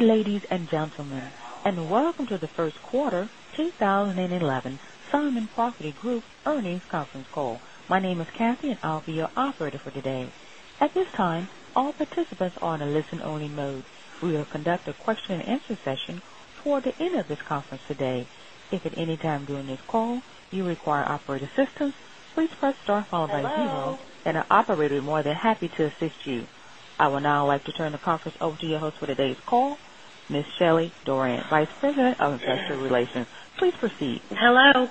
Ladies and gentlemen, welcome to the First Quarter 2011 Simon Property Group Earnings Conference Call. My name is Kathy, and I'll be your operator for today. At this time, all participants are on a listen-only mode. We will conduct a question and answer session toward the end of this conference today. If at any time during this call you require operator assistance, please press star followed by zero, and an operator will be more than happy to assist you. I would now like to turn the conference over to your host for today's call, Ms. Shelly Doran, Vice President of Investor Relations. Please proceed. Hello.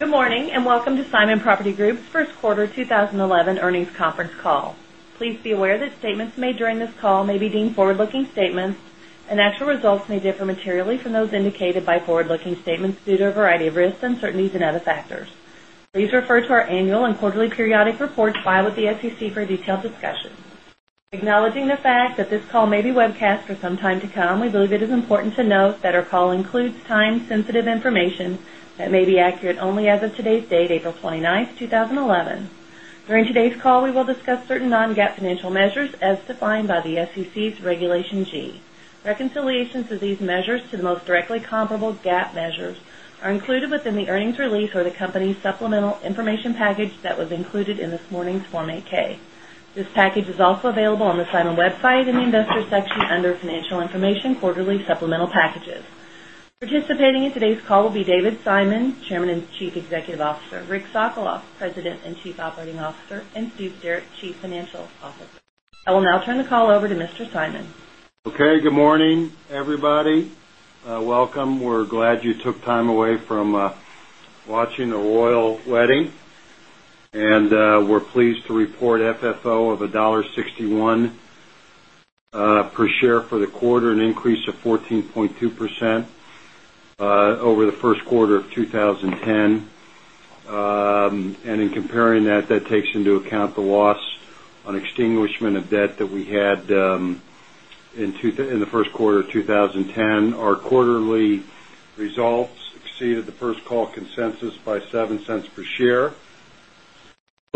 Good morning, and welcome to Simon Property Group's First Quarter 2011 Earnings Conference Call. Please be aware that statements made during this call may be deemed forward-looking statements, and actual results may differ materially from those indicated by forward-looking statements due to a variety of risks, uncertainties, and other factors. Please refer to our annual and quarterly periodic reports filed with the SEC for a detailed discussion. Acknowledging the fact that this call may be webcast for some time to come, we believe it is important to note that our call includes time-sensitive information that may be accurate only as of today's date, April 29, 2011. During today's call, we will discuss certain non-GAAP financial measures as defined by the SEC's Regulation G. Reconciliations of these measures to the most directly comparable GAAP measures are included within the earnings release or the company's supplemental information package that was included in this morning's Form 8-K. This package is also available on the Simon website in the investor section under Financial Information Quarterly Supplemental Packages. Participating in today's call will be David Simon, Chairman and Chief Executive Officer, Rick Sokolov, President and Chief Operating Officer, and Steve Sterrett, Chief Financial Officer. I will now turn the call over to Mr. Simon. Okay. Good morning, everybody. Welcome. We're glad you took time away from watching a royal wedding. We're pleased to report FFO of $1.61 per share for the quarter, an increase of 14.2% over the first quarter of 2010. In comparing that, that takes into account the loss on extinguishment of debt that we had in the first quarter of 2010. Our quarterly results exceeded the First Call consensus by $0.07 per share.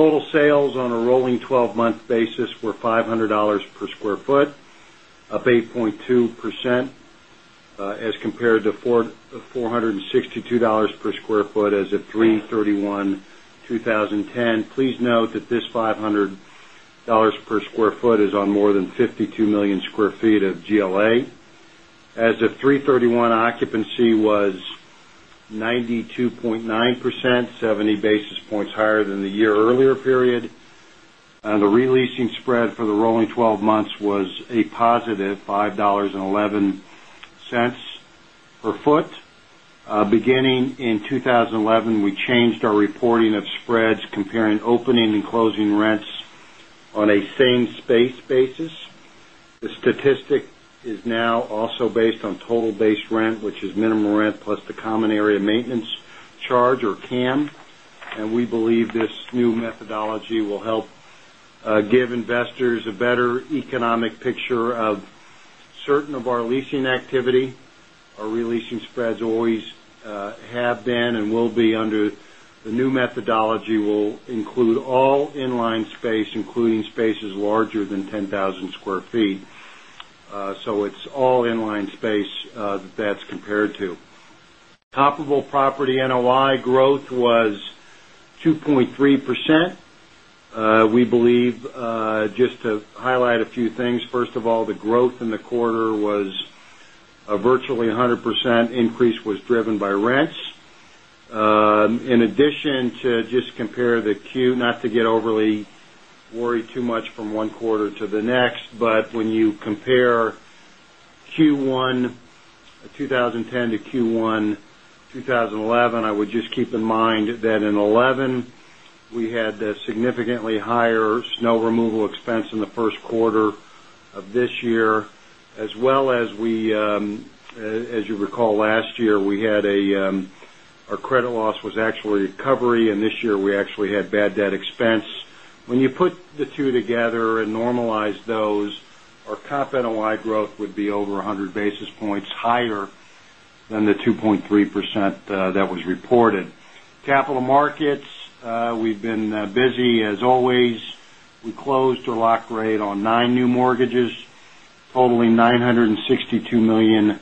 Total sales on a rolling 12-month basis were $500 per square foot, up 8.2% as compared to $462 per sq ft as of 3/31/2010. Please note that this $500 per square foot is on more than 52 million sq ft of GLA. As of 3/31, occupancy was 92.9%, 70 basis points higher than the year earlier period. The releasing spread for the rolling 12 months was a positive $5.11 per foot. Beginning in 2011, we changed our reporting of spreads comparing opening and closing rents on a same-space basis. The statistic is now also based on total base rent, which is minimum rent plus the common area maintenance charge, or CAM. We believe this new methodology will help give investors a better economic picture of certain of our leasing activity. Our releasing spreads always have been and will be under the new methodology, will include all inline space, including spaces larger than 10,000 sq ft. It's all inline space that's compared to. Comparable property NOI growth was 2.3%. We believe, just to highlight a few things, first of all, the growth in the quarter was a virtually 100% increase driven by rents. In addition, just to compare the Q, not to get overly worried too much from one quarter to the next, but when you compare Q1 2010 to Q1 2011, I would just keep in mind that in 2011, we had the significantly higher snow removal expense in the first quarter of this year, as well as, as you recall, last year, our credit loss was actually a recovery, and this year we actually had bad debt expense. When you put the two together and normalize those, our comp NOI growth would be over 100 basis points higher than the 2.3% that was reported. Capital markets, we've been busy as always. We closed a lock rate on nine new mortgages, totaling $962 million.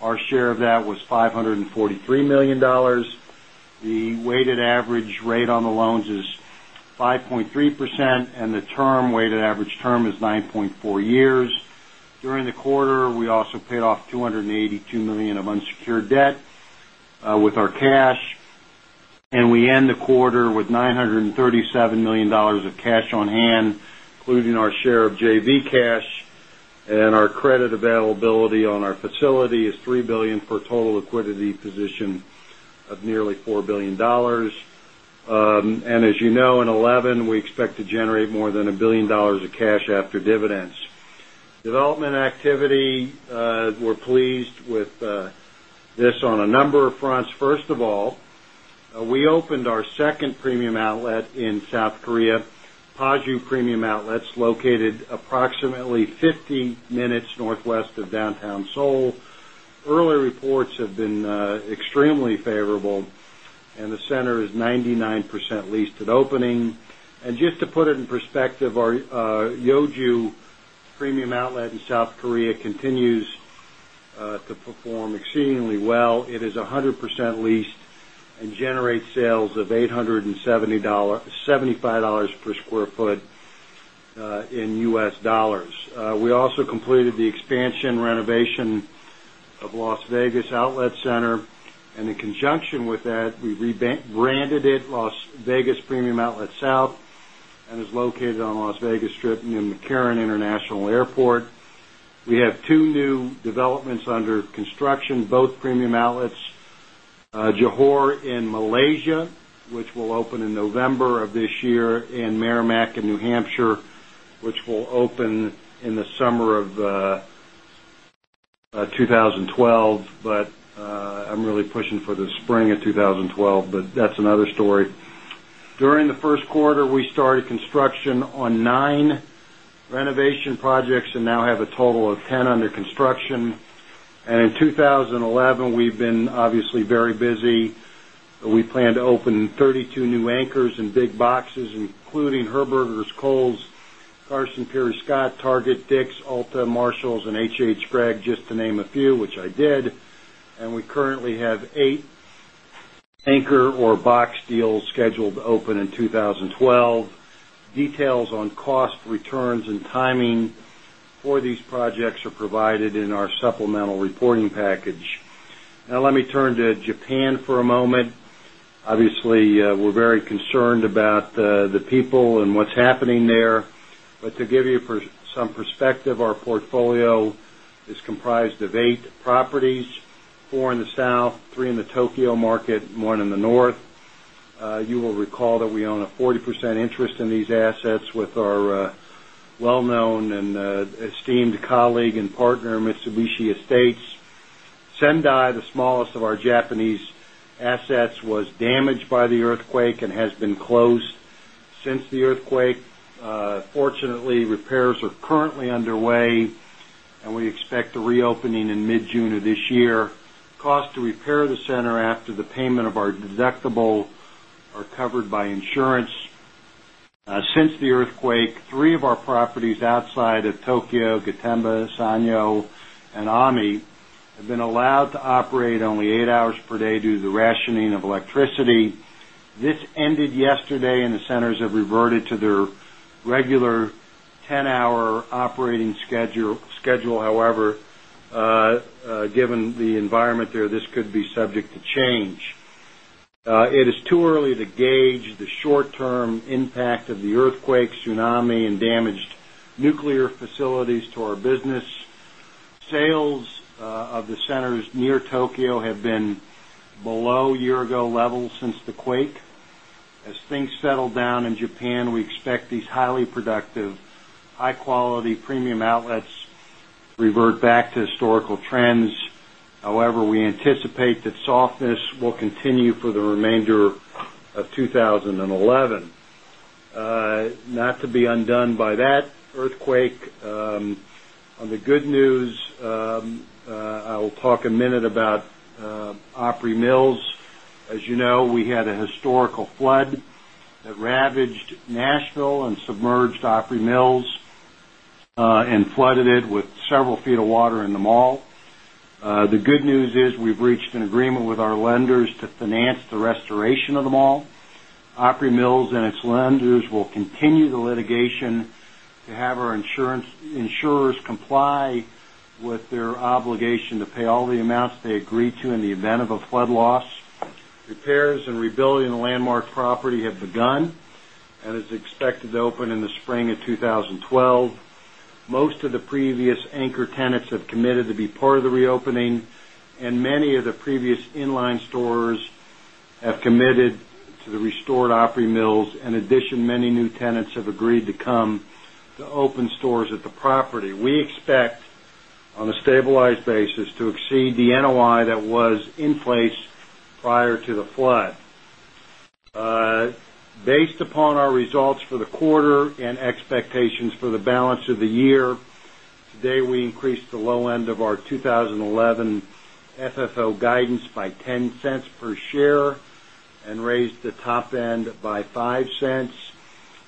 Our share of that was $543 million. The weighted average rate on the loans is 5.3%, and the weighted average term is 9.4 years. During the quarter, we also paid off $282 million of unsecured debt with our cash. We end the quarter with $937 million of cash on hand, including our share of JV cash. Our credit availability on our facility is $3 billion for a total liquidity position of nearly $4 billion. As you know, in 2011, we expect to generate more than $1 billion of cash after dividends. Development activity, we're pleased with this on a number of fronts. First of all, we opened our second premium outlet in South Korea, Paju Premium Outlets, located approximately 50 minutes northwest of downtown Seoul. Early reports have been extremely favorable, and the center is 99% leased at opening. Just to put it in perspective, our Yeoju Premium Outlet in South Korea continues to perform exceedingly well. It is 100% leased and generates sales of $875 per square foot, in U.S. dollars. We also completed the expansion renovation of Las Vegas Outlet Center. In conjunction with that, we rebranded it Las Vegas Premium Outlets South, and it's located on Las Vegas Strip near McCarran International Airport. We have two new developments under construction, both premium outlets: Johor in Malaysia, which will open in November of this year, and Merrimack in New Hampshire, which will open in the summer of 2012. I'm really pushing for the spring of 2012, but that's another story. During the first quarter, we started construction on nine renovation projects and now have a total of 10 under construction. In 2011, we've been obviously very busy. We plan to open 32 new anchors and big boxes, including Herberger's, Kohl's, Carson Pirie Scott, Target, Dick's, Ulta, Marshalls, and H.H. Gregg, just to name a few, which I did. We currently have eight anchor or box deals scheduled to open in 2012. Details on costs, returns, and timing for these projects are provided in our supplemental reporting package. Now, let me turn to Japan for a moment. Obviously, we're very concerned about the people and what's happening there. To give you some perspective, our portfolio is comprised of eight properties: four in the south, three in the Tokyo market, and one in the north. You will recall that we own a 40% interest in these assets with our well-known and esteemed colleague and partner, Mitsubishi Estate. Sendai, the smallest of our Japanese assets, was damaged by the earthquake and has been closed since the earthquake. Fortunately, repairs are currently underway, and we expect a reopening in mid-June of this year. Costs to repair the center after the payment of our deductible are covered by insurance. Since the earthquake, three of our properties outside of Tokyo, Gatemba, Sanyo, and Ami have been allowed to operate only eight hours per day due to the rationing of electricity. This ended yesterday, and the centers have reverted to their regular 10-hour operating schedule. However, given the environment there, this could be subject to change. It is too early to gauge the short-term impact of the earthquake, tsunami, and damaged nuclear facilities to our business. Sales of the centers near Tokyo have been below year-ago levels since the quake. As things settle down in Japan, we expect these highly productive, high-quality premium outlets to revert back to historical trends. However, we anticipate that softness will continue for the remainder of 2011. Not to be undone by that earthquake, on the good news, I will talk a minute about Opry Mills. As you know, we had a historical flood that ravaged Nashville and submerged Opry Mills, and flooded it with several feet of water in the mall. The good news is we've reached an agreement with our lenders to finance the restoration of the mall. Opry Mills and its lenders will continue the litigation to have our insurers comply with their obligation to pay all the amounts they agree to in the event of a flood loss. Repairs and rebuilding the landmark property have begun and is expected to open in the spring of 2012. Most of the previous anchor tenants have committed to be part of the reopening, and many of the previous inline stores have committed to the restored Opry Mills. In addition, many new tenants have agreed to come to open stores at the property. We expect, on a stabilized basis, to exceed the NOI that was in place prior to the flood. Based upon our results for the quarter and expectations for the balance of the year, today we increased the low end of our 2011 FFO guidance by $0.10 per share and raised the top end by $0.05.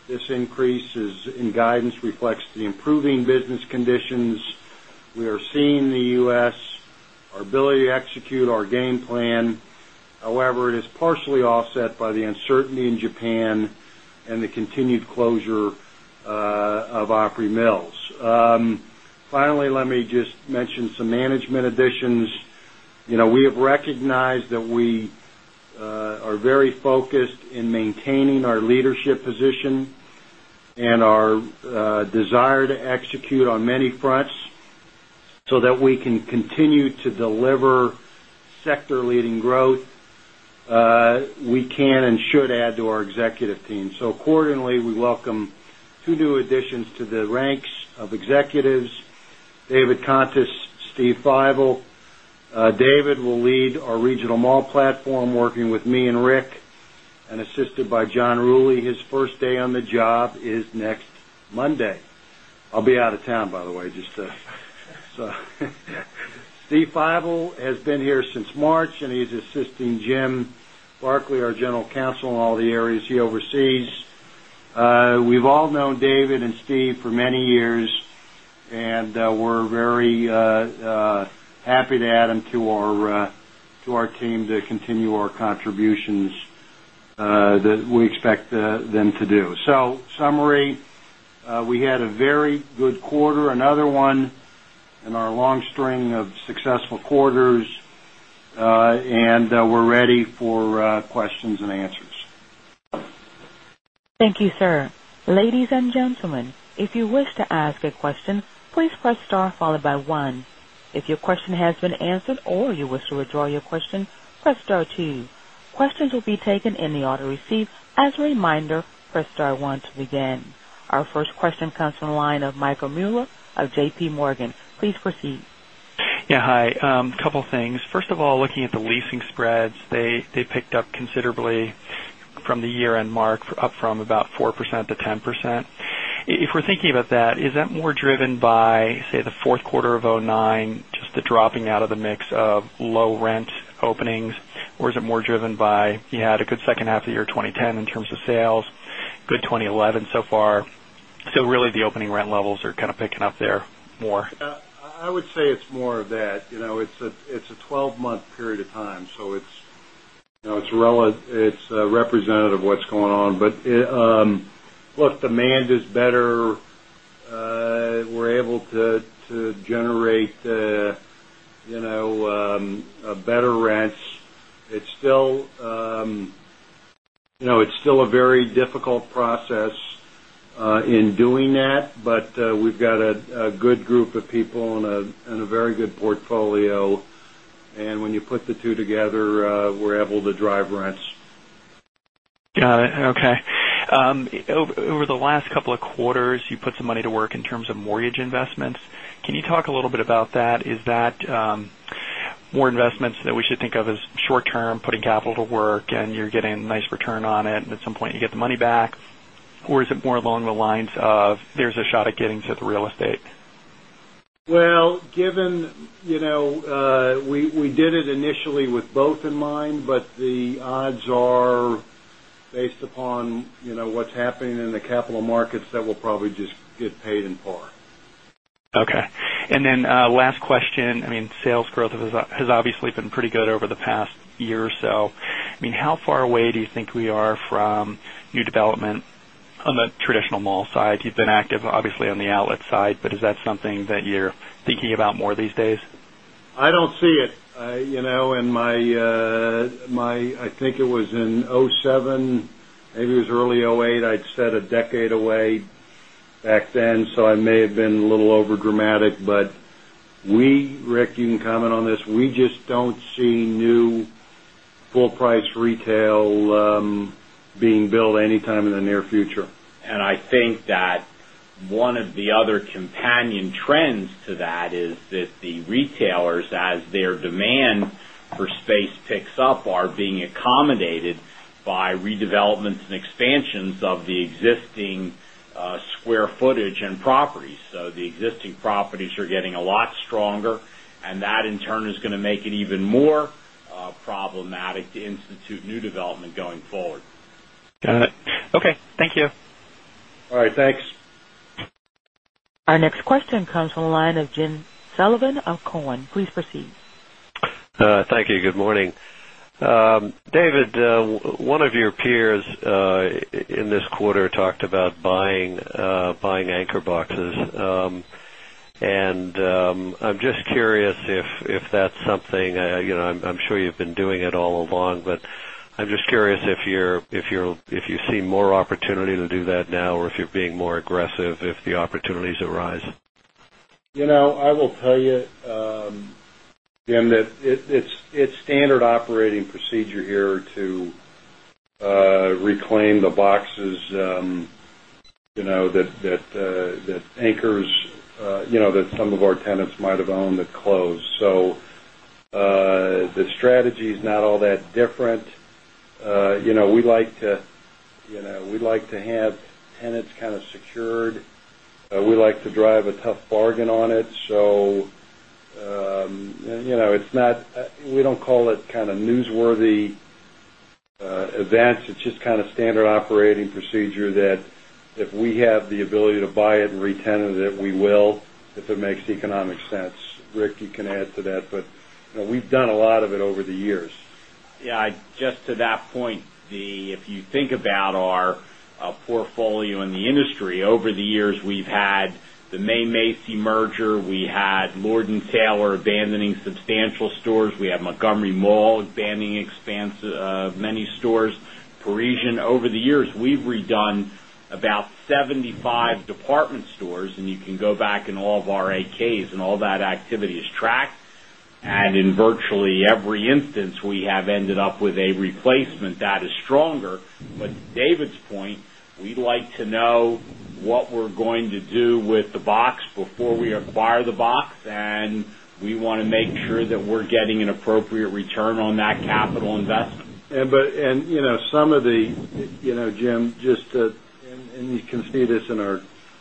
This increase in guidance reflects the improving business conditions we are seeing in the U.S., our ability to execute our game plan. However, it is partially offset by the uncertainty in Japan and the continued closure of Opry Mills. Finally, let me just mention some management additions. You know, we have recognized that we are very focused in maintaining our leadership position and our desire to execute on many fronts so that we can continue to deliver sector-leading growth. We can and should add to our executive team. Accordingly, we welcome two new additions to the ranks of executives: David Contis and Steve Fivel. David will lead our regional mall platform, working with me and Rick and assisted by John Rulli. His first day on the job is next Monday. I'll be out of town, by the way, just to so. Steve Fivel has been here since March, and he's assisting Jim Barkley, our General Counsel, in all the areas he oversees. We've all known David and Steve for many years, and we're very happy to add them to our team to continue our contributions that we expect them to do. In summary, we had a very good quarter, another one in our long string of successful quarters, and we're ready for questions and answers. Thank you, sir. Ladies and gentlemen, if you wish to ask a question, please press star followed by one. If your question has been answered or you wish to withdraw your question, press star two. Questions will be taken in the order received. As a reminder, press star one to begin. Our first question comes from the line of Michael Muller of JPMorgan. Please proceed. Yeah. A couple of things. First of all, looking at the leasing spreads, they picked up considerably from the year-end mark, up from about 4% to 10%. If we're thinking about that, is that more driven by, say, the fourth quarter of 2009, just the dropping out of the mix of low rent openings? Is it more driven by you had a good second half of the year 2010 in terms of sales, good 2011 so far? Really, the opening rent levels are kind of picking up there more. Yeah. I would say it's more of that. You know, it's a 12-month period of time, so it's, you know, it's representative of what's going on. Look, demand is better. We're able to generate, you know, better rents. It's still, you know, it's still a very difficult process in doing that. We've got a good group of people and a very good portfolio. When you put the two together, we're able to drive rents. Got it. Okay. Over the last couple of quarters, you put some money to work in terms of mortgage investments. Can you talk a little bit about that? Is that more investments that we should think of as short-term, putting capital to work, and you're getting a nice return on it, and at some point, you get the money back? Or is it more along the lines of there's a shot at getting to the real estate? Given, you know, we did it initially with both in mind, but the odds are, based upon, you know, what's happening in the capital markets, that we'll probably just get paid and pull it. Okay. Last question. I mean, sales growth has obviously been pretty good over the past year or so. I mean, how far away do you think we are from new development on the traditional mall side? You've been active, obviously, on the outlet side, but is that something that you're thinking about more these days? I don't see it. You know, I think it was in 2007, maybe it was early 2008. I'd said a decade away back then, so I may have been a little overdramatic. Rick, you can comment on this. We just don't see new full-price retail being built anytime in the near future. I think that one of the other companion trends to that is that the retailers, as their demand for space picks up, are being accommodated by redevelopments and expansions of the existing square footage and properties. The existing properties are getting a lot stronger. That, in turn, is going to make it even more problematic to institute new development going forward. Got it. Okay. Thank you. All right. Thanks. Our next question comes from the line of Jim Sullivan of Cowen. Please proceed. Thank you. Good morning. David, one of your peers this quarter talked about buying anchor boxes. I'm just curious if that's something, you know, I'm sure you've been doing it all along, but I'm just curious if you see more opportunity to do that now or if you're being more aggressive if the opportunities arise. You know, I will tell you, Jim, that it's standard operating procedure here to reclaim the anchor boxes that some of our tenants might have owned that closed. The strategy is not all that different. You know, we like to have tenants kind of secured. We like to drive a tough bargain on it. It's not, we don't call it kind of newsworthy events. It's just kind of standard operating procedure that if we have the ability to buy every tenant that we will, if it makes economic sense. Rick, you can add to that. We've done a lot of it over the years. Yeah. To that point, if you think about our portfolio in the industry, over the years, we've had the May Macy merger. We had Lord & Taylor abandoning substantial stores. We had Montgomery Mall abandoning expansion, many stores. Parisian, over the years, we've redone about 75 department stores. You can go back in all of our 8-Ks, and all that activity is tracked. In virtually every instance, we have ended up with a replacement that is stronger. To David's point, we'd like to know what we're going to do with the box before we acquire the box. We want to make sure that we're getting an appropriate return on that capital investment. Yeah, you know, Jim, just to, and you can see this in our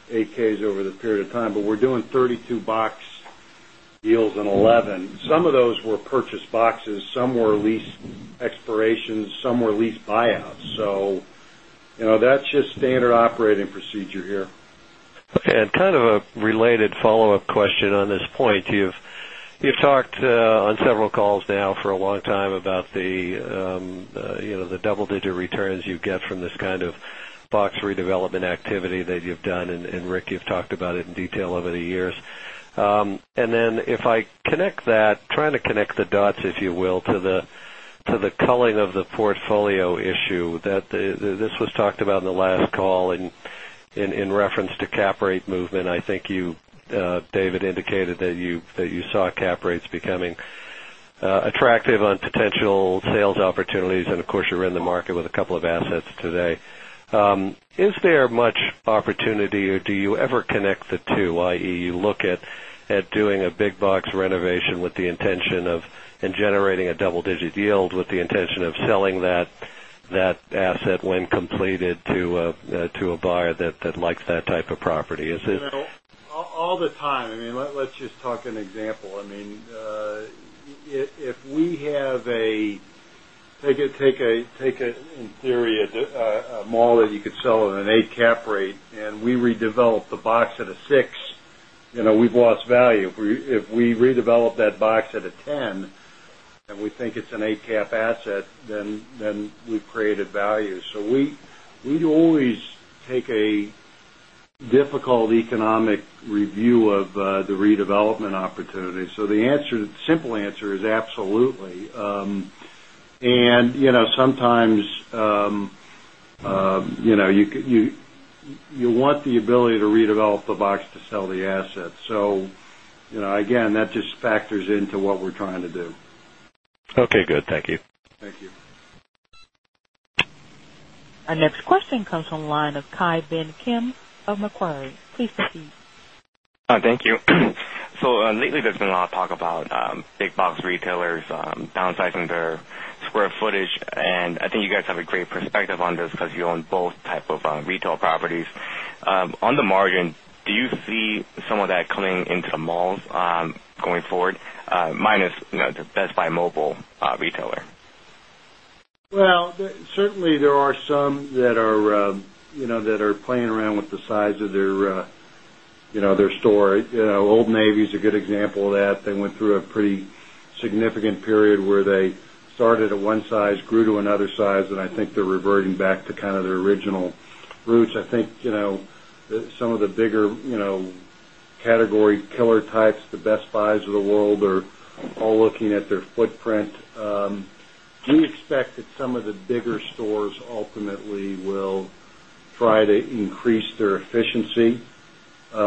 8-Ks over the period of time, we're doing 32 box deals in 2011. Some of those were purchased boxes, some were lease expirations, some were lease buyouts. That's just standard operating procedure here. Okay. A related follow-up question on this point. You've talked on several calls now for a long time about the double-digit returns you get from this kind of box redevelopment activity that you've done. Rick, you've talked about it in detail over the years. If I connect that, trying to connect the dots, if you will, to the culling of the portfolio issue, this was talked about in the last call in reference to cap rate movement. I think you, David, indicated that you saw cap rates becoming attractive on potential sales opportunities. Of course, you're in the market with a couple of assets today. Is there much opportunity, or do you ever connect the two, i.e., you look at doing a big box renovation with the intention of generating a double-digit yield with the intention of selling that asset when completed to a buyer that likes that type of property? Is it? Let's just talk an example. If we have, in theory, a mall that you could sell at an 8% cap rate and we redevelop the box at a 6%, you know, we've lost value. If we redevelop that box at a 10% and we think it's an 8% cap asset, then we've created value. We'd always take a difficult economic review of the redevelopment opportunity. The simple answer is absolutely. Sometimes you want the ability to redevelop the box to sell the asset. That just factors into what we're trying to do. Okay, good. Thank you. Thank you. Our next question comes from the line of [Kai Ben Kim] of [McBarge]. Please proceed. Hi. Thank you. Lately, there's been a lot of talk about big box retailers downsizing their square footage. I think you guys have a great perspective on this because you own both types of retail properties. On the margin, do you see some of that culling into the malls going forward, minus, you know, the Best Buy Mobile retailer? There are some that are, you know, that are playing around with the size of their, you know, their store. You know, Old Navy is a good example of that. They went through a pretty significant period where they started at one size, grew to another size, and I think they're reverting back to kind of their original roots. I think, you know, some of the bigger, you know, category killer types, the Best Buys of the world, are all looking at their footprint. We expect that some of the bigger stores ultimately will try to increase their efficiency. You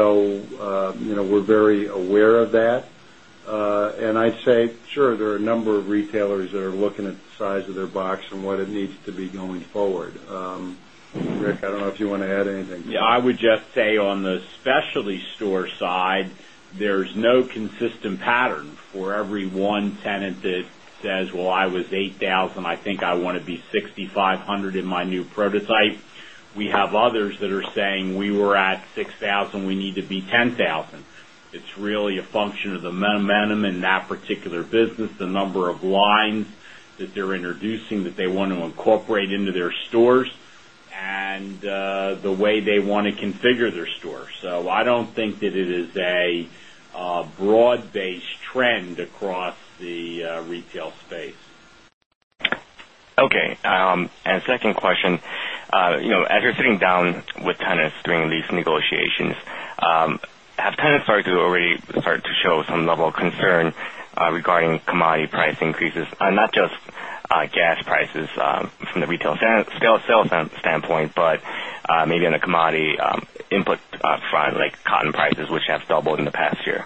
know, we're very aware of that. I'd say, sure, there are a number of retailers that are looking at the size of their box and what it needs to be going forward. Rick, I don't know if you want to add anything. Yeah. I would just say on the specialty store side, there's no consistent pattern for every one tenant that says, "Well, I was 8,000. I think I want to be 6,500 in my new prototype." We have others that are saying, "We were at 6,000. We need to be 10,000." It's really a function of the momentum in that particular business, the number of lines that they're introducing that they want to incorporate into their stores, and the way they want to configure their store. I don't think that it is a broad-based trend across the retail space. Okay. Second question. You know, as you're sitting down with tenants during these negotiations, have tenants started to already start to show some level of concern regarding commodity price increases? Not just gas prices from the retail sales standpoint, but maybe on the commodity input front, like cotton prices, which have doubled in the past year.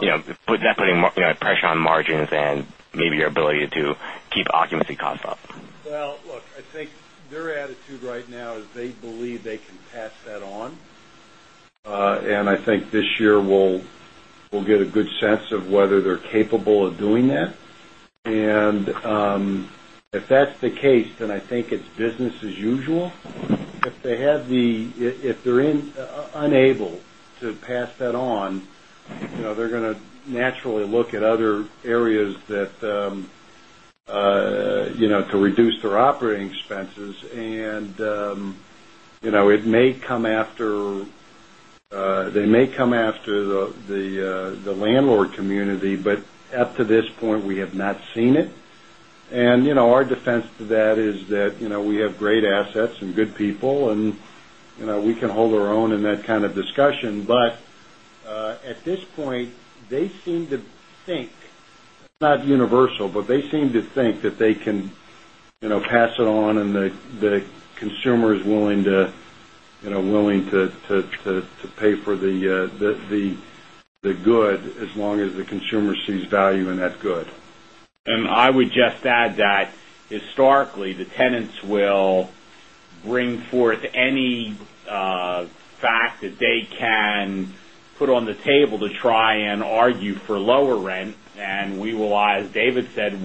You know, putting that, putting more pressure on margins and maybe your ability to keep occupancy costs up. I think their attitude right now is they believe they can pass that on. I think this year, we'll get a good sense of whether they're capable of doing that. If that's the case, then I think it's business as usual. If they're unable to pass that on, they're going to naturally look at other areas to reduce their operating expenses. It may come after the landlord community. Up to this point, we have not seen it. Our defense to that is that we have great assets and good people, and we can hold our own in that kind of discussion. At this point, they seem to think, not universal, but they seem to think that they can pass it on and the consumer is willing to pay for the good as long as the consumer sees value in that good. I would just add that historically, the tenants will bring forth any fact that they can put on the table to try and argue for lower rent. We will, as David said,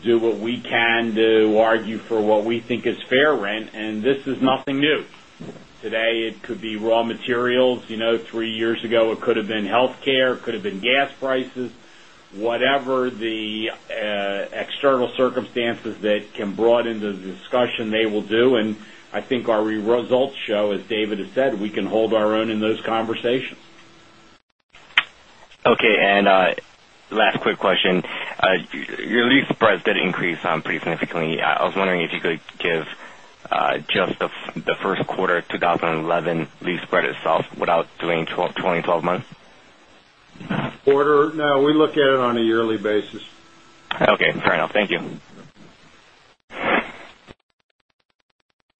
do what we can to argue for what we think is fair rent. This is nothing new. Today, it could be raw materials. Three years ago, it could have been healthcare. It could have been gas prices. Whatever the external circumstances that can broaden the discussion, they will do. I think our results show, as David has said, we can hold our own in those conversations. Okay. Last quick question. Your lease spreads did increase pretty significantly. I was wondering if you could give just the first quarter of 2011 lease spread itself without doing 12-20 months? Quarter? No, we look at it on a yearly basis. Okay. Fair enough. Thank you.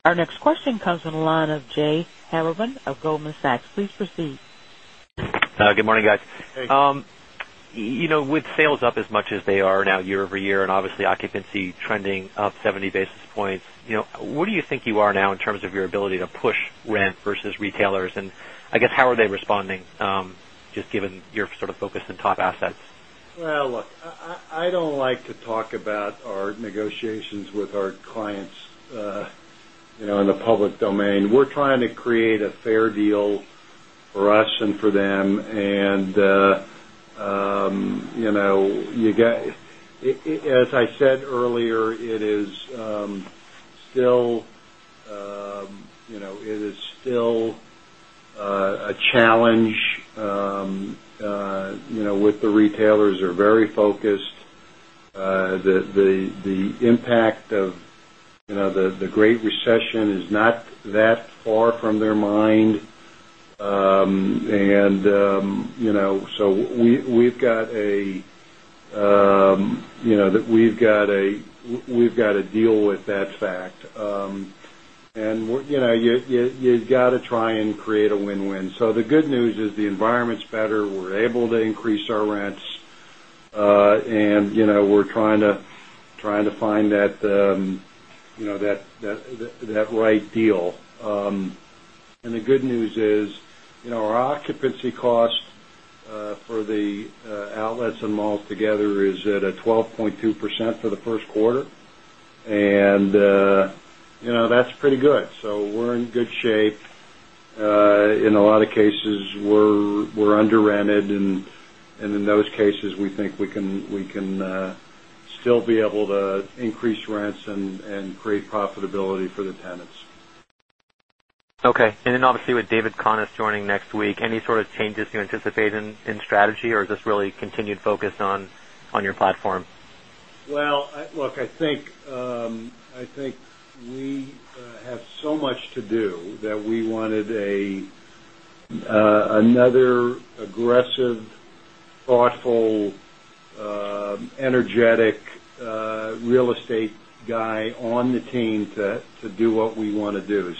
Our next question comes from the line of Jay Jeyaruban of Goldman Sachs. Please proceed. Good morning, guys. Hey. You know, with sales up as much as they are now year-over-year, and obviously, occupancy trending up 70 basis points, what do you think you are now in terms of your ability to push rent versus retailers? I guess, how are they responding, just given your sort of focus on top assets? I don't like to talk about our negotiations with our clients in the public domain. We're trying to create a fair deal for us and for them. As I said earlier, it is still a challenge. The retailers are very focused. The impact of the Great Recession is not that far from their mind, and we've got to deal with that fact. We're trying to create a win-win. The good news is the environment's better. We're able to increase our rents, and we're trying to find that right deal. The good news is our occupancy cost for the outlets and malls together is at 12.2% for the first quarter, and that's pretty good. We're in good shape. In a lot of cases, we're under-rented, and in those cases, we think we can still be able to increase rents and create profitability for the tenants. Okay. With David Contis joining next week, any sort of changes you anticipate in strategy, or is this really continued focus on your platform? I think we have so much to do that we wanted another aggressive, thoughtful, energetic real estate guy on the team to do what we want to do.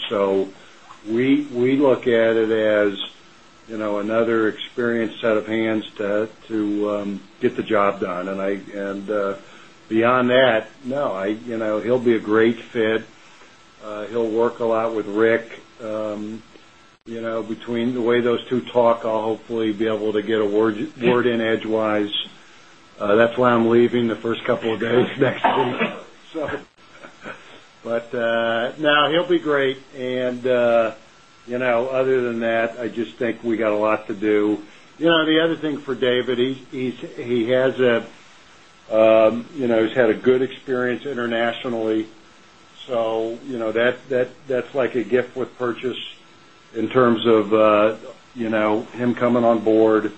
We look at it as another experienced set of hands to get the job done. Beyond that, he'll be a great fit. He'll work a lot with Rick. You know, between the way those two talk, I'll hopefully be able to get a word in edgewise. That's why I'm leaving the first couple of days next week. He'll be great. Other than that, I just think we got a lot to do. The other thing for David, he has had good experience internationally. That's like a gift with purchase in terms of him coming on board.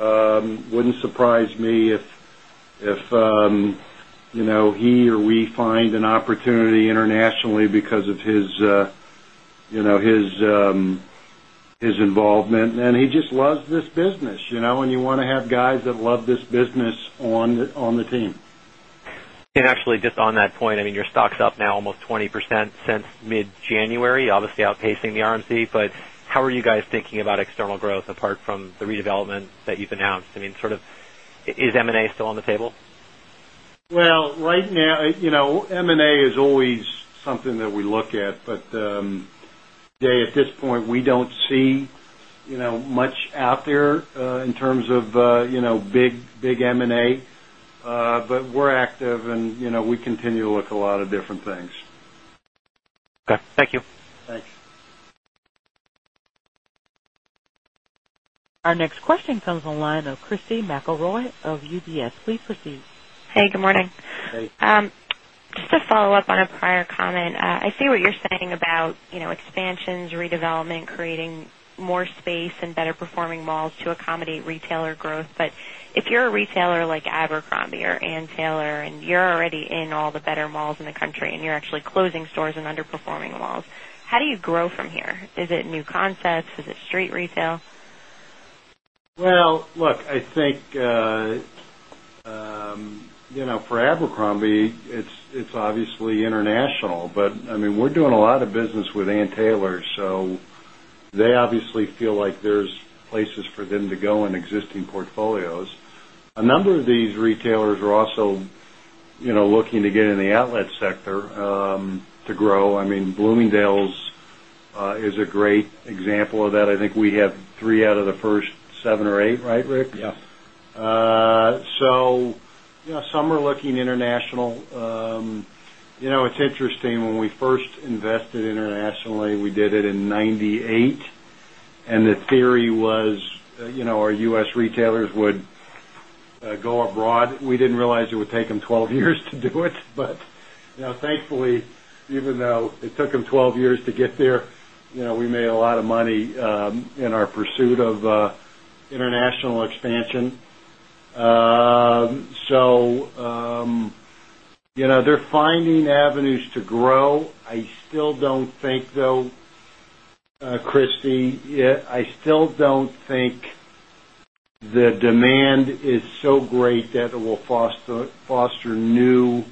It wouldn't surprise me if he or we find an opportunity internationally because of his involvement. He just loves this business, and you want to have guys that love this business on the team. Actually, just on that point, I mean, your stock's up now almost 20% since mid-January, obviously outpacing the RMC. How are you guys thinking about external growth apart from the redevelopment that you've announced? I mean, sort of is M&A still on the table? Right now, you know, M&A is always something that we look at. Dave, at this point, we don't see much out there, in terms of big, big M&A. We're active, and we continue to look at a lot of different things. Okay, thank you. Thanks. Our next question comes from the line of Christy McElroy of UBS. Please proceed. Hey, good morning. Hey. Just to follow up on a prior comment, I see what you're saying about expansions, redevelopment, creating more space, and better-performing malls to accommodate retailer growth. If you're a retailer like Abercrombie or Ann Taylor, and you're already in all the better malls in the country, and you're actually closing stores in underperforming malls, how do you grow from here? Is it new concepts? Is it street retail? I think, you know, for Abercrombie, it's obviously international. I mean, we're doing a lot of business with Ann Taylor, so they obviously feel like there's places for them to go in existing portfolios. A number of these retailers are also, you know, looking to get in the outlet sector, to grow. I mean, Bloomingdale's is a great example of that. I think we have three out of the first seven or eight, right, Rick? Yeah. You know, some are looking international. It's interesting. When we first invested internationally, we did it in 1998. The theory was, you know, our U.S. retailers would go abroad. We didn't realize it would take them 12 years to do it. Thankfully, even though it took them 12 years to get there, we made a lot of money in our pursuit of international expansion. They're finding avenues to grow. I still don't think, though, Christy, I still don't think the demand is so great that it will foster new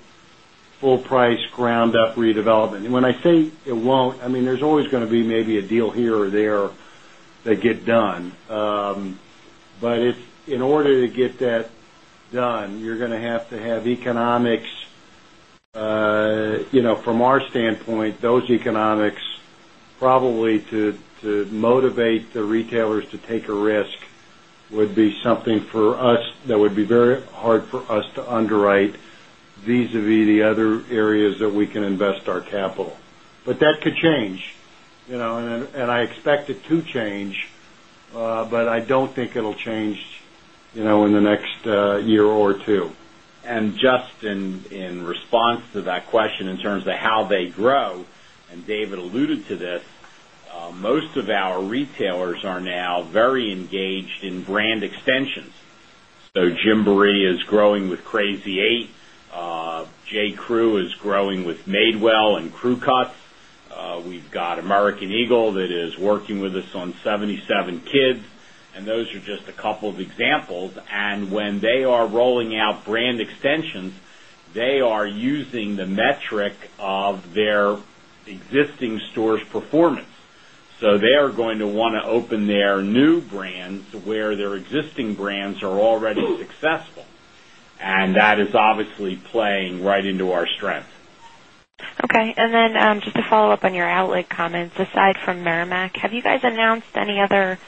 full-price ground-up redevelopment. When I say it won't, I mean there's always going to be maybe a deal here or there that gets done. In order to get that done, you're going to have to have economics. From our standpoint, those economics probably, to motivate the retailers to take a risk, would be something for us that would be very hard for us to underwrite vis-à-vis the other areas that we can invest our capital. That could change, and I expect it to change. I don't think it'll change in the next year or two. In response to that question in terms of how they grow, and David alluded to this, most of our retailers are now very engaged in brand extensions. So Gymboree is growing with Crazy 8. J.Crew is growing with Madewell and Crewcuts. We've got American Eagle that is working with us on 77kids. Those are just a couple of examples. When they are rolling out brand extensions, they are using the metric of their existing stores' performance. They are going to want to open their new brands where their existing brands are already successful. That is obviously playing right into our strength. Okay. Just to follow up on your outlet comments, aside from Merrimack, have you guys announced any other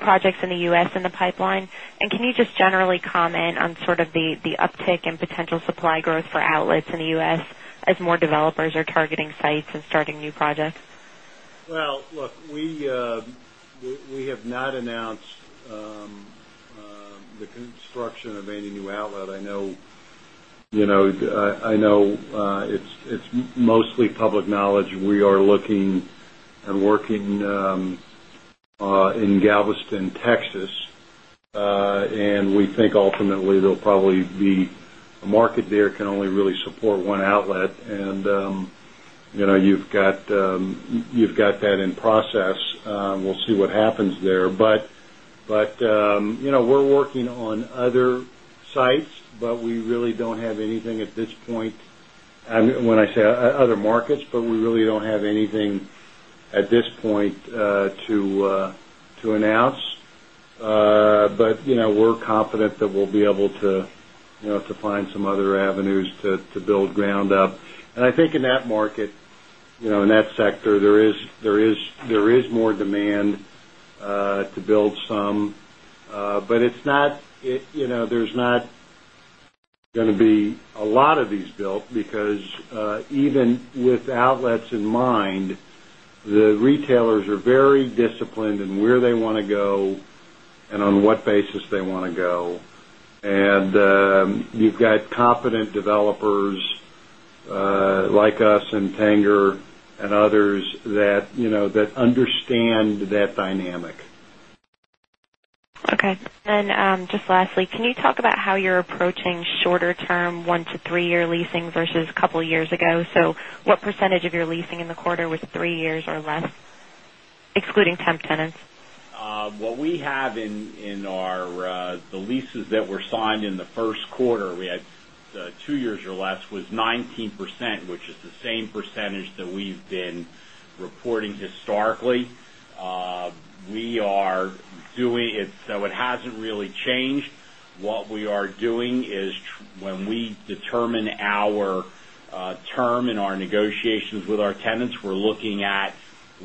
projects in the U.S. in the pipeline? Can you just generally comment on the uptick in potential supply growth for outlets in the U.S. as more developers are targeting sites and starting new projects? We have not announced the construction of any new outlet. I know it's mostly public knowledge. We are looking and working in Galveston, Texas, and we think ultimately there'll probably be a market there that can only really support one outlet. You've got that in process. We'll see what happens there. We're working on other sites, but we really don't have anything at this point. When I say other markets, we really don't have anything at this point to announce. We're confident that we'll be able to find some other avenues to build ground up. I think in that market, in that sector, there is more demand to build some, but it's not, there's not going to be a lot of these built because, even with outlets in mind, the retailers are very disciplined in where they want to go and on what basis they want to go. You've got competent developers, like us and Tanger and others, that understand that dynamic. Okay. Just lastly, can you talk about how you're approaching shorter-term one to three-year leasing versus a couple of years ago? What percentage of your leasing in the quarter was three years or less, excluding temp tenants? In our leases that were signed in the first quarter, the two years or less was 19%, which is the same percentage that we've been reporting historically. We are doing it, so it hasn't really changed. What we are doing is when we determine our term in our negotiations with our tenants, we're looking at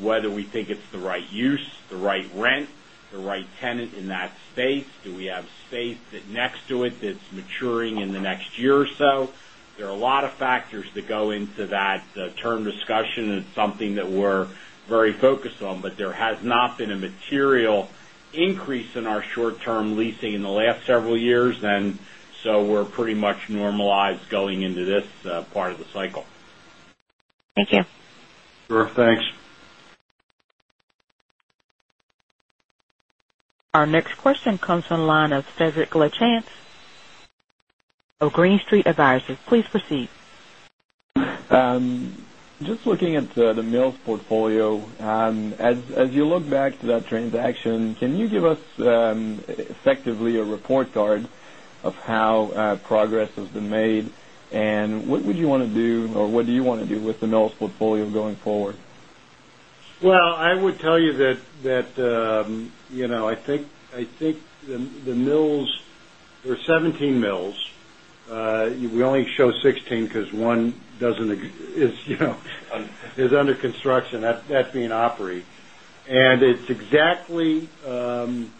whether we think it's the right use, the right rent, the right tenant in that space. Do we have space next to it that's maturing in the next year or so? There are a lot of factors that go into that term discussion, and it's something that we're very focused on. There has not been a material increase in our short-term leasing in the last several years, so we're pretty much normalized going into this part of the cycle. Thank you. Sure. Thanks. Our next question comes from the line of Cedrik Lachance of Green Street Advisors. Please proceed. Just looking at the Mills portfolio, as you look back to that transaction, can you give us, effectively, a report card of how progress has been made? What would you want to do, or what do you want to do with the Mills portfolio going forward? I would tell you that, you know, I think the Mills, there are 17 Mills. We only show 16 because one doesn't exist, you know, is under construction. That's being operated. It's exactly, you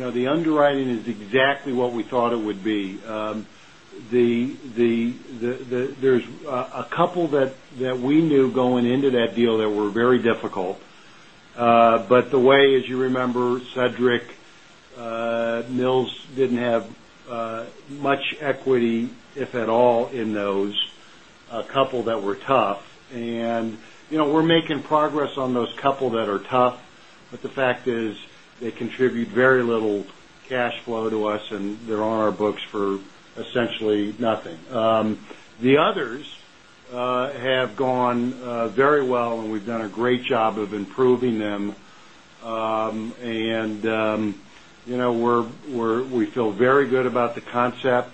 know, the underwriting is exactly what we thought it would be. There's a couple that we knew going into that deal that were very difficult. The way, as you remember, Cedrik, Mills didn't have much equity, if at all, in those couple that were tough. We're making progress on those couple that are tough, but the fact is they contribute very little cash flow to us, and they're on our books for essentially nothing. The others have gone very well, and we've done a great job of improving them. You know, we feel very good about the concept.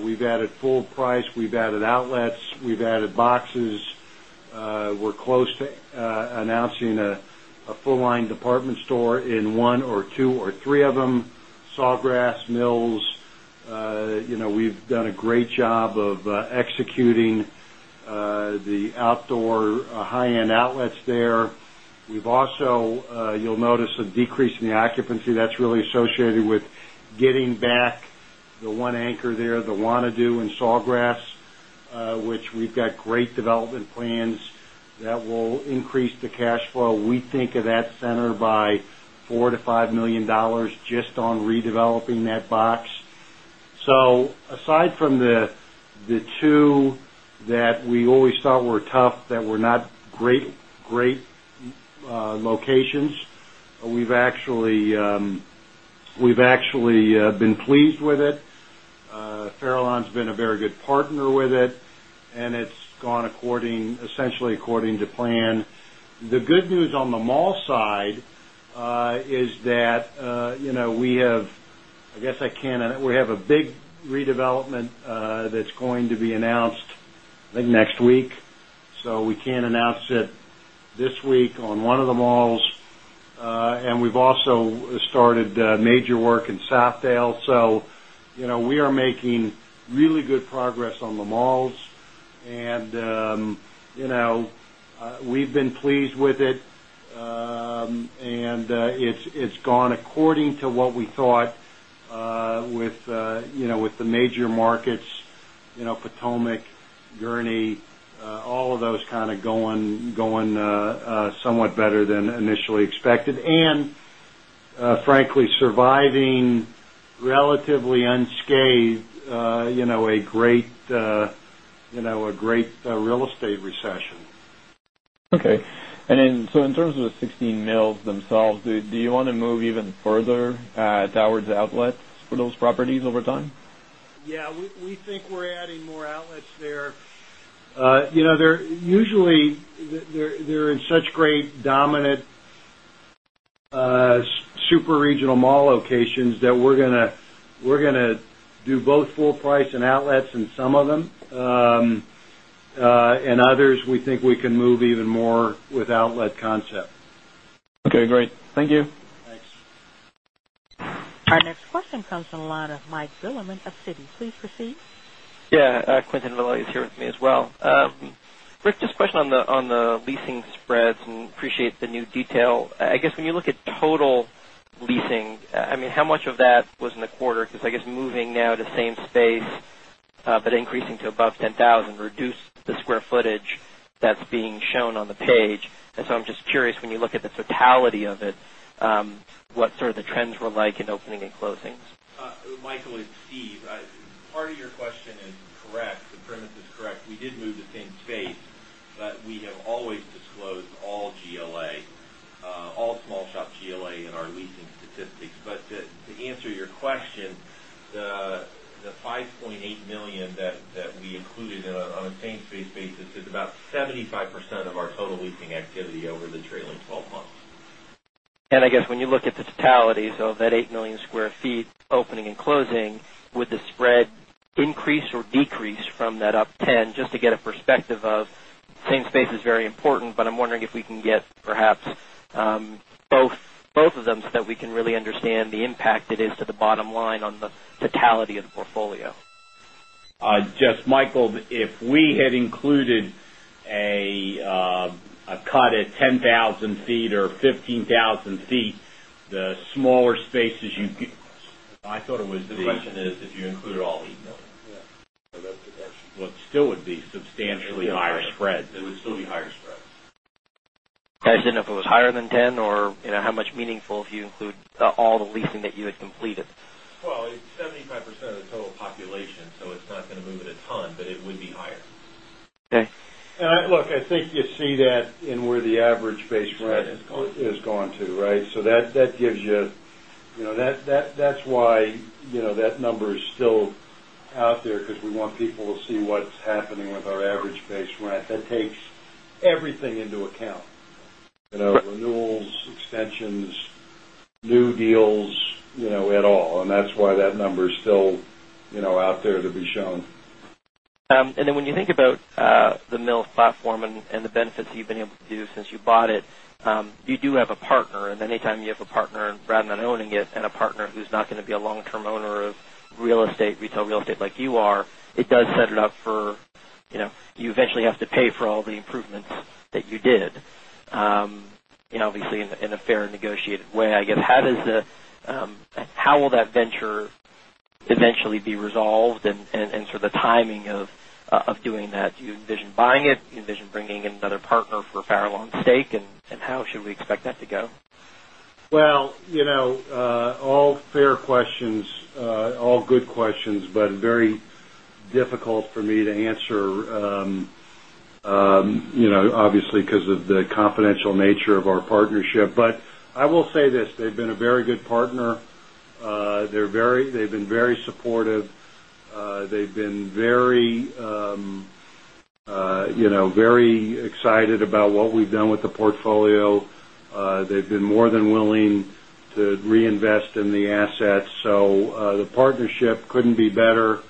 We've added full price. We've added outlets. We've added boxes. We're close to announcing a full-line department store in one or two or three of them, Sawgrass Mills. You know, we've done a great job of executing the outdoor, high-end outlets there. You'll notice a decrease in the occupancy that's really associated with getting back the one anchor there, the Wannado in Sawgrass, which we've got great development plans that will increase the cash flow. We think of that center by $4 million-$5 million just on redeveloping that box. Aside from the two that we always thought were tough, that were not great locations, we've actually been pleased with it. Farallon has been a very good partner with it, and it's gone essentially according to plan. The good news on the mall side is that we have, I guess I can't—we have a big redevelopment that's going to be announced, I think, next week. We can announce it this week on one of the malls. We've also started major work in Southdale. We are making really good progress on the malls. We've been pleased with it, and it's gone according to what we thought, with the major markets, you know, Potomac, Gurney, all of those kind of going somewhat better than initially expected. Frankly, surviving relatively unscathed, you know, a great real estate recession. Okay. In terms of the 16 Mills themselves, do you want to move even further towards outlets for those properties over time? Yeah. We think we're adding more outlets there. They're usually in such great, dominant, super regional mall locations that we're going to do both full price and outlets in some of them. In others, we think we can move even more with the outlet concept. Okay. Great. Thank you. Thanks. Our next question comes from the line of [Mike Villamon] of Citi. Please proceed. Yeah. Quentin Ville is here with me as well. Rick, just a question on the leasing spreads and appreciate the new detail. I guess when you look at total leasing, how much of that was in the quarter? I guess moving now to same space, but increasing to above 10,000 reduced the square footage that's being shown on the page. I'm just curious, when you look at the totality of it, what sort of the trends were like in opening and closings? Michael, it's Steve. Part of your question is correct. The premise is correct. We did move to same space. We have always disclosed all GLA, all small shop GLA in our leasing statistics. To answer your question, the $5.8 million that we included on a same-space basis is about 75% of our total leasing activity over the trailing 12 months. When you look at the totalities of that 8 million sq ft opening and closing, would the spread increase or decrease from that up 10%? Just to get a perspective of same space is very important, but I'm wondering if we can get perhaps both of them so that we can really understand the impact it is to the bottom line on the totality of the portfolio. Michael, if we had included a cut at 10,000 ft or 15,000 ft, the smaller spaces you get. Us. I thought it was. The question is if you included all of them. Yeah, that's the question. It still would be substantially higher spread. It would still be higher spread. I was thinking if it was higher than 10%, or, you know, how much meaningful if you include all the leasing that you had completed. It’s 75% of the total population, so it’s not going to move it a ton, but it would be higher. Okay. I think you see that in where the average base rent has gone to, right? That gives you, you know, that's why, you know, that number is still out there because we want people to see what's happening with our average base rent. That takes everything into account, renewals, extensions, new deals, you know, at all. That's why that number is still, you know, out there to be shown. When you think about the Mills platform and the benefits that you've been able to do since you bought it, you do have a partner. Anytime you have a partner rather than owning it, and a partner who's not going to be a long-term owner of retail real estate like you are, it does set it up for, you know, you eventually have to pay for all the improvements that you did, obviously in a fair and negotiated way, I guess. How will that venture eventually be resolved, and the timing of doing that? Do you envision buying it? Do you envision bringing in another partner for Farallon's stake, and how should we expect that to go? All fair questions, all good questions, but very difficult for me to answer, obviously, because of the confidential nature of our partnership. I will say this. They've been a very good partner. They're very supportive. They've been very excited about what we've done with the portfolio. They've been more than willing to reinvest in the assets. The partnership couldn't be better.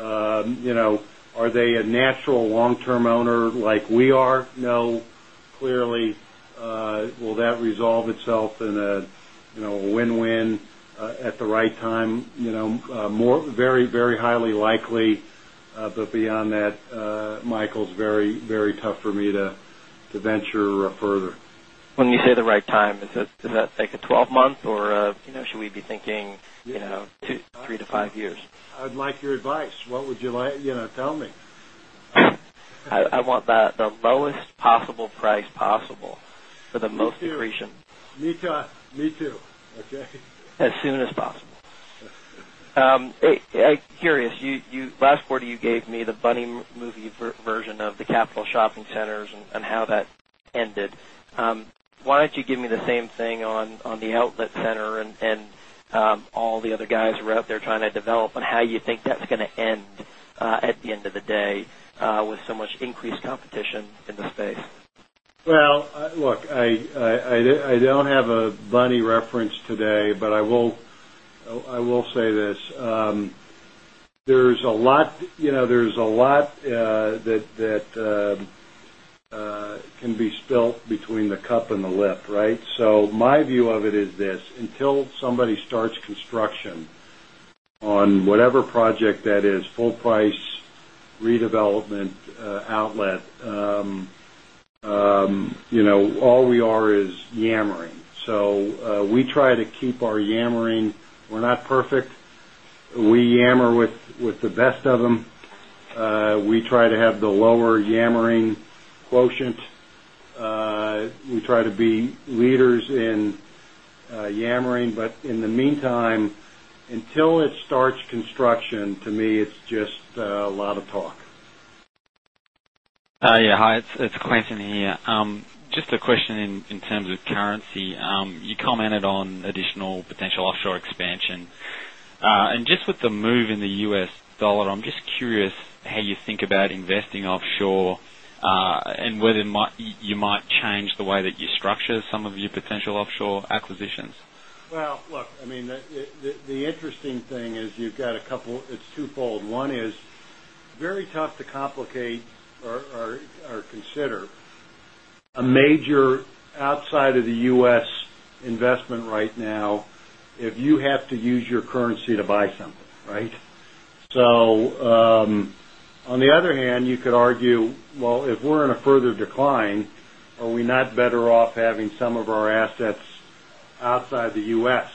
Are they a natural long-term owner like we are? No. Clearly, will that resolve itself in a win-win, at the right time? More very, very highly likely. Beyond that, Michael, it's very tough for me to venture further. When you say the right time, is that like a 12-month or, you know, should we be thinking, you know, two, three to five years? I'd like your advice. What would you like, you know, tell me? I want the lowest possible price for the most efficient. Me too. Me too. Okay. As soon as possible. I'm curious. Last quarter, you gave me the Bunny movie version of the capital shopping centers and how that ended. Why don't you give me the same thing on the outlet center and all the other guys who are out there trying to develop and how you think that's going to end, at the end of the day, with so much increased competition in the space? I don't have a Bunny reference today, but I will say this. There's a lot that can be spilt between the cup and the lip, right? My view of it is this: until somebody starts construction on whatever project that is—full price, redevelopment, outlet—all we are is yammering. We try to keep our yammering—we're not perfect. We yammer with the best of them. We try to have the lower yammering quotient. We try to be leaders in yammering. In the meantime, until it starts construction, to me, it's just a lot of talk. Hi. It's Quentin here. Just a question in terms of currency. You commented on additional potential offshore expansion, and just with the move in the U.S. dollar, I'm just curious how you think about investing offshore, and whether you might change the way that you structure some of your potential offshore acquisitions. I mean, the interesting thing is you've got a couple, it's twofold. One is very tough to complicate or consider a major outside of the U.S. investment right now if you have to use your currency to buy something, right? On the other hand, you could argue, if we're in a further decline, are we not better off having some of our assets outside the U.S.?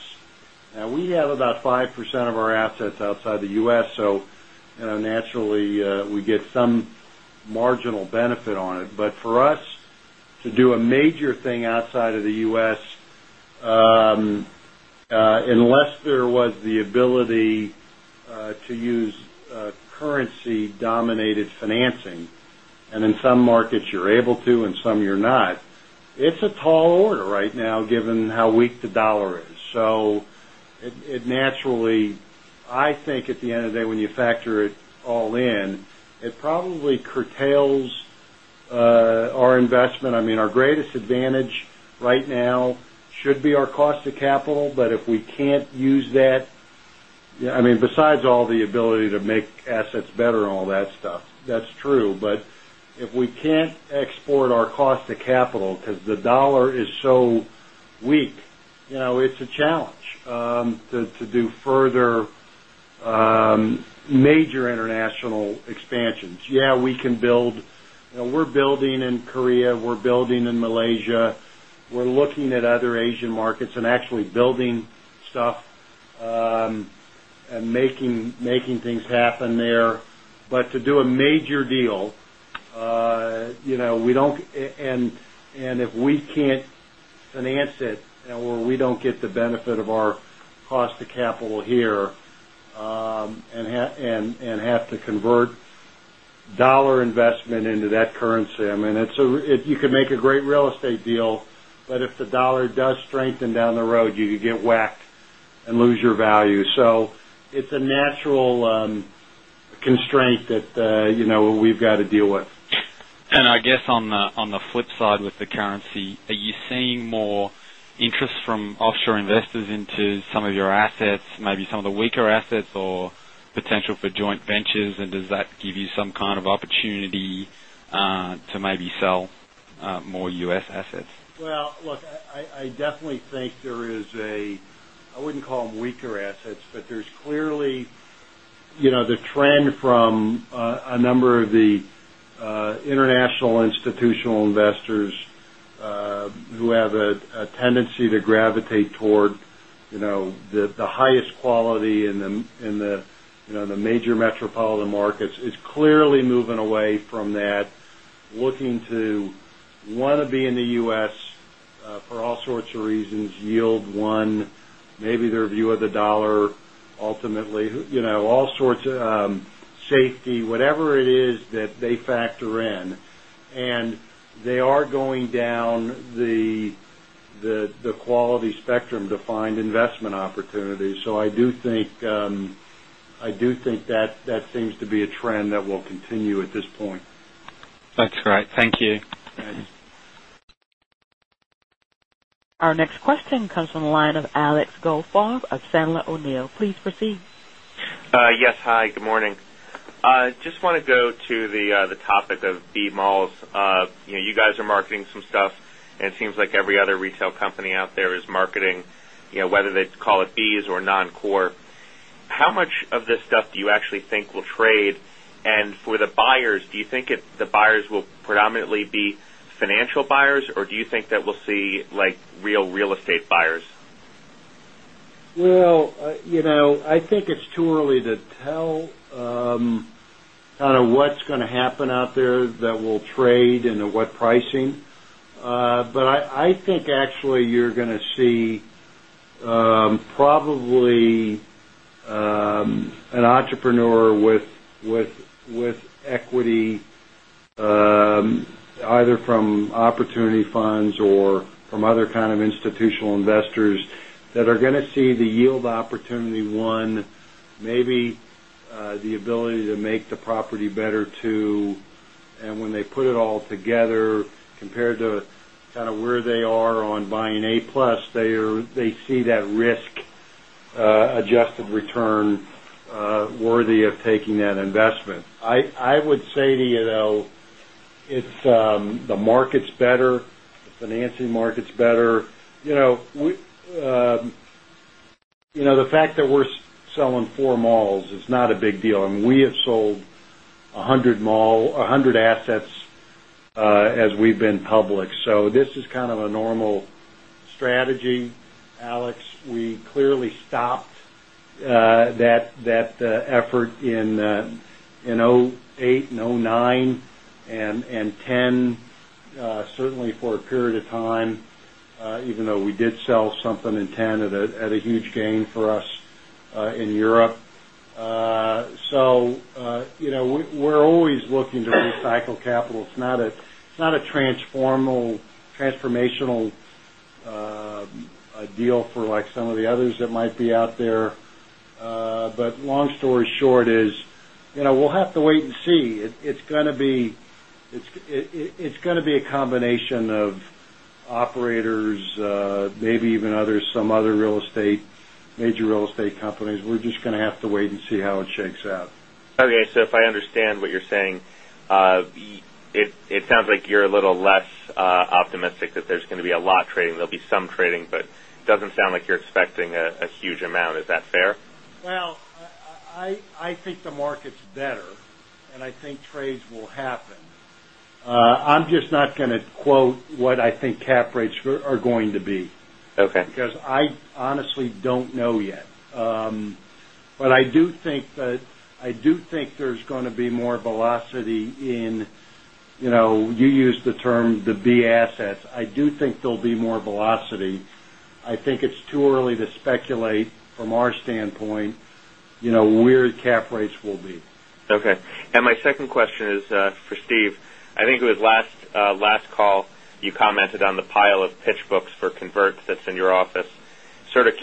We have about 5% of our assets outside the U.S., so naturally, we get some marginal benefit on it. For us to do a major thing outside of the U.S., unless there was the ability to use currency-denominated financing, and in some markets, you're able to, in some, you're not, it's a tall order right now given how weak the dollar is. I think at the end of the day, when you factor it all in, it probably curtails our investment. Our greatest advantage right now should be our cost of capital. If we can't use that, besides all the ability to make assets better and all that stuff, that's true. If we can't export our cost of capital because the dollar is so weak, it's a challenge to do further major international expansions. We can build, we're building in South Korea. We're building in Malaysia. We're looking at other Asian markets and actually building stuff, and making things happen there. To do a major deal, if we can't finance it, and we don't get the benefit of our cost of capital here, and have to convert dollar investment into that currency, you can make a great real estate deal, but if the dollar does strengthen down the road, you could get whacked and lose your value. It's a natural constraint that we've got to deal with. On the flip side with the currency, are you seeing more interest from offshore investors into some of your assets, maybe some of the weaker assets, or potential for joint ventures? Does that give you some kind of opportunity to maybe sell more U.S. assets? I definitely think there is a—I wouldn't call them weaker assets, but there's clearly the trend from a number of the international institutional investors, who have a tendency to gravitate toward the highest quality in the major metropolitan markets, is clearly moving away from that, looking to want to be in the U.S. for all sorts of reasons, yield one, maybe their view of the dollar, ultimately, all sorts of safety, whatever it is that they factor in. They are going down the quality spectrum-defined investment opportunity. I do think that that seems to be a trend that will continue at this point. That's great. Thank you. All right. Our next question comes from the line of Alex Goldfarb of Sandler O'Neill. Please proceed. Yes. Hi. Good morning. I just want to go to the topic of B malls. You know, you guys are marketing some stuff, and it seems like every other retail company out there is marketing, you know, whether they call it Bs or non-core. How much of this stuff do you actually think will trade? For the buyers, do you think the buyers will predominantly be financial buyers, or do you think that we'll see, like, real real estate buyers? I think it's too early to tell what's going to happen out there that will trade and at what pricing. I think actually you're going to see probably an entrepreneur with equity, either from opportunity funds or from other kind of institutional investors that are going to see the yield opportunity, maybe the ability to make the property better. When they put it all together compared to where they are on buying A-plus, they see that risk-adjusted return worthy of taking that investment. I would say to you, though, the market's better, the financing market's better. The fact that we're selling four malls is not a big deal. We have sold 100 assets as we've been public. This is kind of a normal strategy. Alex, we clearly stopped that effort in 2008, 2009, and 2010, certainly for a period of time, even though we did sell something in 2010 at a huge gain for us in Europe. We're always looking to recycle capital. It's not a transformational deal like some of the others that might be out there. Long story short is, we'll have to wait and see. It's going to be a combination of operators, maybe even others, some other major real estate companies. We're just going to have to wait and see how it shakes out. Okay. If I understand what you're saying, it sounds like you're a little less optimistic that there's going to be a lot trading. There'll be some trading, but it doesn't sound like you're expecting a huge amount. Is that fair? I think the market's better, and I think trades will happen. I'm just not going to quote what I think cap rates are going to be. Okay. Because I honestly don't know yet. I do think there's going to be more velocity in, you know, you use the term the B assets. I do think there'll be more velocity. I think it's too early to speculate from our standpoint where the cap rates will be. Okay. My second question is for Steve. I think it was last call, you commented on the pile of pitch books for converts that's in your office.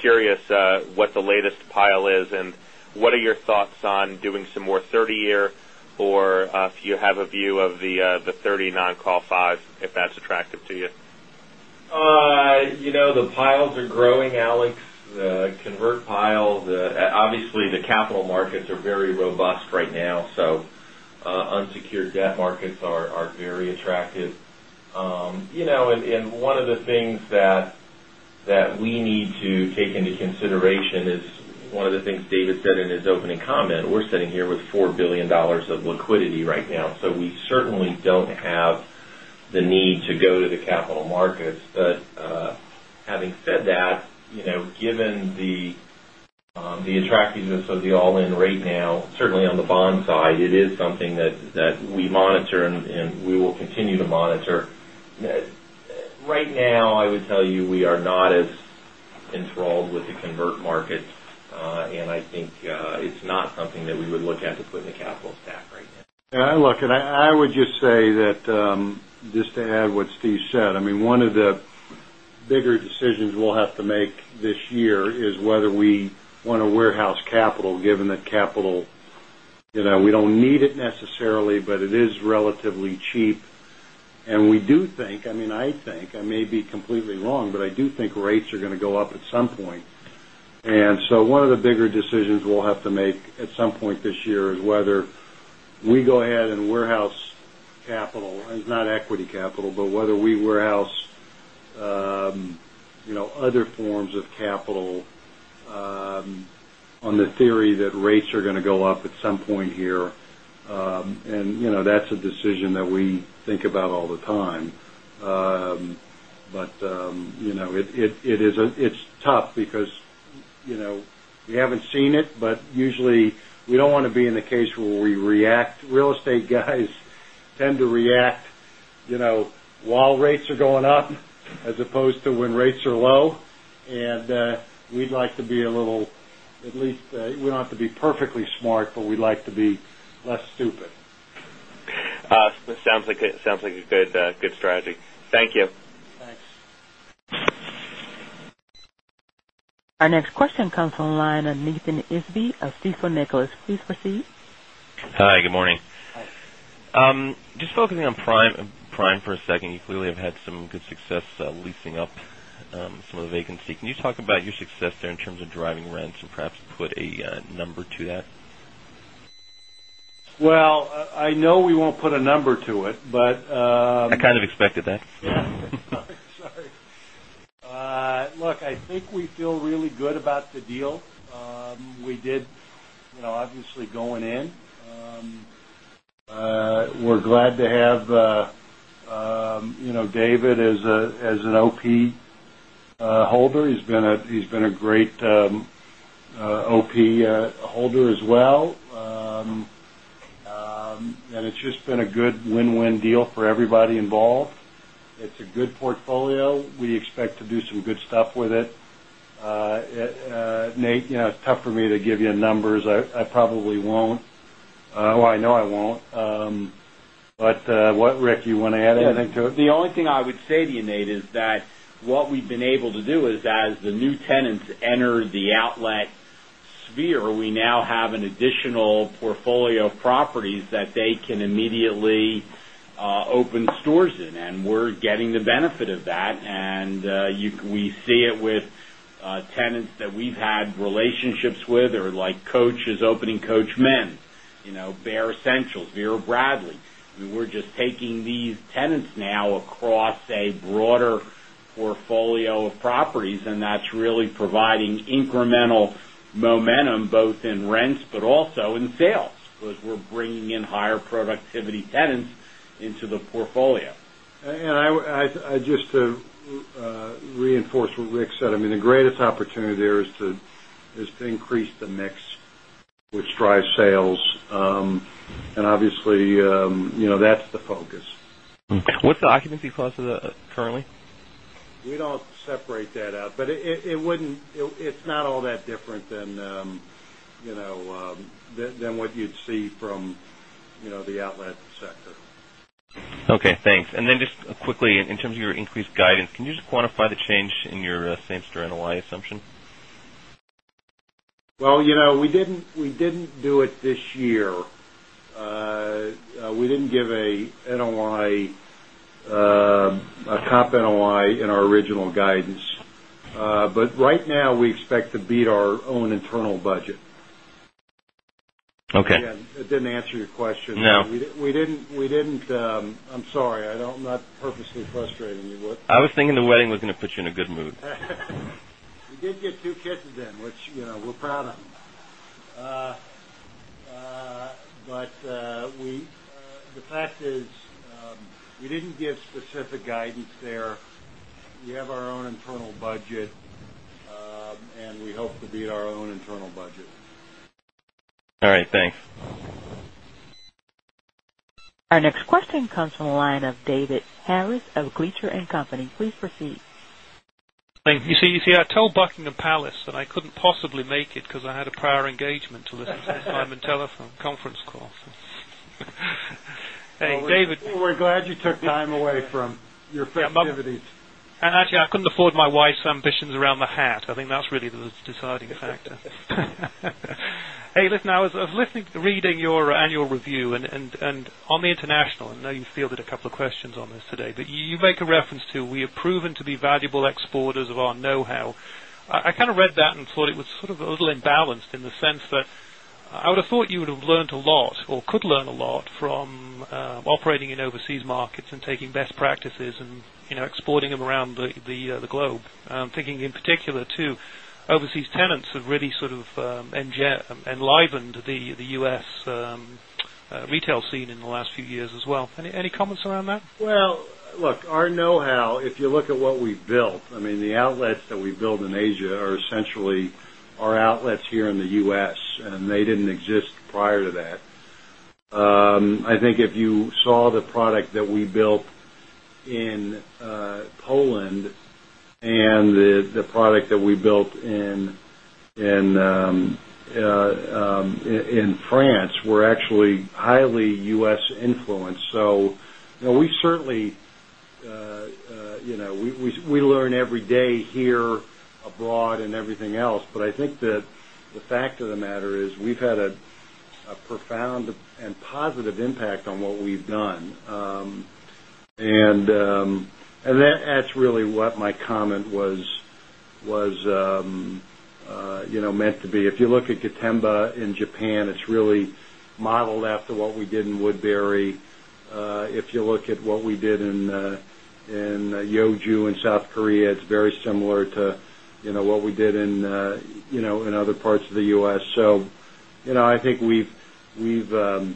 Curious what the latest pile is, and what are your thoughts on doing some more 30-year, or if you have a view of the 30 non-call 5s, if that's attractive to you? You know, the piles are growing, Alex. The convert pile, obviously, the capital markets are very robust right now. Unsecured debt markets are very attractive. One of the things that we need to take into consideration is one of the things David said in his opening comment. We're sitting here with $4 billion of liquidity right now. We certainly don't have the need to go to the capital markets. Having said that, given the attractiveness of the all-in right now, certainly on the bond side, it is something that we monitor and we will continue to monitor. Right now, I would tell you we are not as enthralled with the convert markets. I think it's not something that we would look at to put in the capital stack right now. Yeah. Look, I would just say that, just to add to what Steve said, one of the bigger decisions we'll have to make this year is whether we want to warehouse capital, given that capital, you know, we don't need it necessarily, but it is relatively cheap. We do think, I mean, I think, I may be completely wrong, but I do think rates are going to go up at some point. One of the bigger decisions we'll have to make at some point this year is whether we go ahead and warehouse capital. It's not equity capital, but whether we warehouse, you know, other forms of capital, on the theory that rates are going to go up at some point here. You know, that's a decision that we think about all the time. It is tough because, you know, you haven't seen it, but usually, we don't want to be in the case where we react. Real estate guys tend to react, you know, while rates are going up as opposed to when rates are low. We'd like to be a little, at least, we don't have to be perfectly smart, but we'd like to be less stupid. This sounds like a good, good strategy. Thank you. Thanks. Our next question comes from the line of [Nathan Isby] of Stifel Nicolaus. Please proceed. Hi. Good morning. Just focusing on Prime for a second, you clearly have had some good success leasing up some of the vacancy. Can you talk about your success there in terms of driving rents and perhaps put a number to that? I know we won't put a number to it, but, I kind of expected that. Sorry. Look, I think we feel really good about the deal we did, you know, obviously going in. We're glad to have, you know, David as an OP holder. He's been a great OP holder as well, and it's just been a good win-win deal for everybody involved. It's a good portfolio. We expect to do some good stuff with it. Nate, tough for me to give you numbers. I probably won't. I know I won't. Rick, do you want to add anything to it? The only thing I would say to you, Nate, is that what we've been able to do is as the new tenants enter the outlet sphere, we now have an additional portfolio of properties that they can immediately open stores in. We're getting the benefit of that. We see it with tenants that we've had relationships with or like Coach's opening Coach Men, you know, Bare Essentials, Vera Bradley. I mean, we're just taking these tenants now across a broader portfolio of properties, and that's really providing incremental momentum both in rents but also in sales because we're bringing in higher productivity tenants into the portfolio. I just want to reinforce what Rick said. I mean, the greatest opportunity there is to increase the mix, which drives sales, and obviously, you know, that's the focus. What's the occupancy cost currently? We don't separate that out. It wouldn't, it's not all that different than what you'd see from the outlets, etc. Okay. Thanks. In terms of your increased guidance, can you just quantify the change in your same-store NOI assumption? We didn't do it this year. We didn't give a NOI, a comp NOI in our original guidance, but right now, we expect to beat our own internal budget. Okay. That didn't answer your question. No. I'm sorry. I'm not purposely frustrating you. What? I was thinking the wedding was going to put you in a good mood. You did get two kisses in, which, you know, we're proud of. The fact is, you didn't give specific guidance there. You have our own internal budget, and we hope to beat our own internal budget. All right, thanks. Our next question comes from the line of David Harris of Gleacher & Company. Please proceed. Thank you. I told Buckingham Palace that I couldn't possibly make it because I had a prior engagement to listen to this first time in telephone conference calls. Hey, David. We're glad you took time away from your festivities. I couldn't afford my wife's ambitions around the hat. I think that's really the deciding factor. Listen, I was reading your annual review and on the international, and I know you fielded a couple of questions on this today, but you make a reference to, "We are proven to be valuable exporters of our know-how." I kind of read that and thought it was sort of a little imbalanced in the sense that I would have thought you would have learned a lot or could learn a lot from operating in overseas markets and taking best practices and exporting them around the globe. I'm thinking in particular too, overseas tenants have really sort of enlivened the U.S. retail scene in the last few years as well. Any comments around that? Our know-how, if you look at what we built, I mean, the outlets that we built in Asia are essentially our outlets here in the U.S., and they didn't exist prior to that. I think if you saw the product that we built in Poland and the product that we built in France were actually highly U.S. influenced. We certainly learn every day here, abroad, and everything else. I think that the fact of the matter is we've had a profound and positive impact on what we've done, and that's really what my comment was meant to be. If you look at Gotemba in Japan, it's really modeled after what we did in Woodbury. If you look at what we did in Yeoju in South Korea, it's very similar to what we did in other parts of the U.S. I think we've, in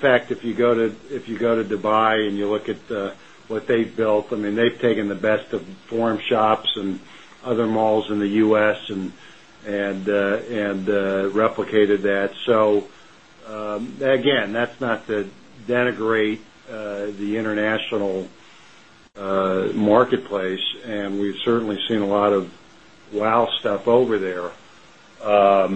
fact, if you go to Dubai and you look at what they've built, they've taken the best of Forum Shops and other malls in the U.S. and replicated that. That's not to denigrate the international marketplace. We've certainly seen a lot of wow stuff over there, but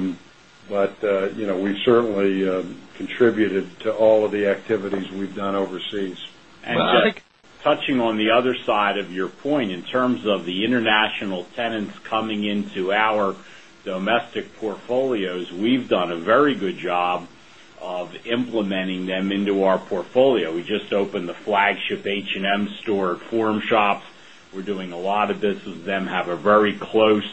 we certainly contributed to all of the activities we've done overseas. I think touching on the other side of your point in terms of the international tenants coming into our domestic portfolios, we've done a very good job of implementing them into our portfolio. We just opened the flagship H&M store at Forum Shops. We're doing a lot of business with them, have a very close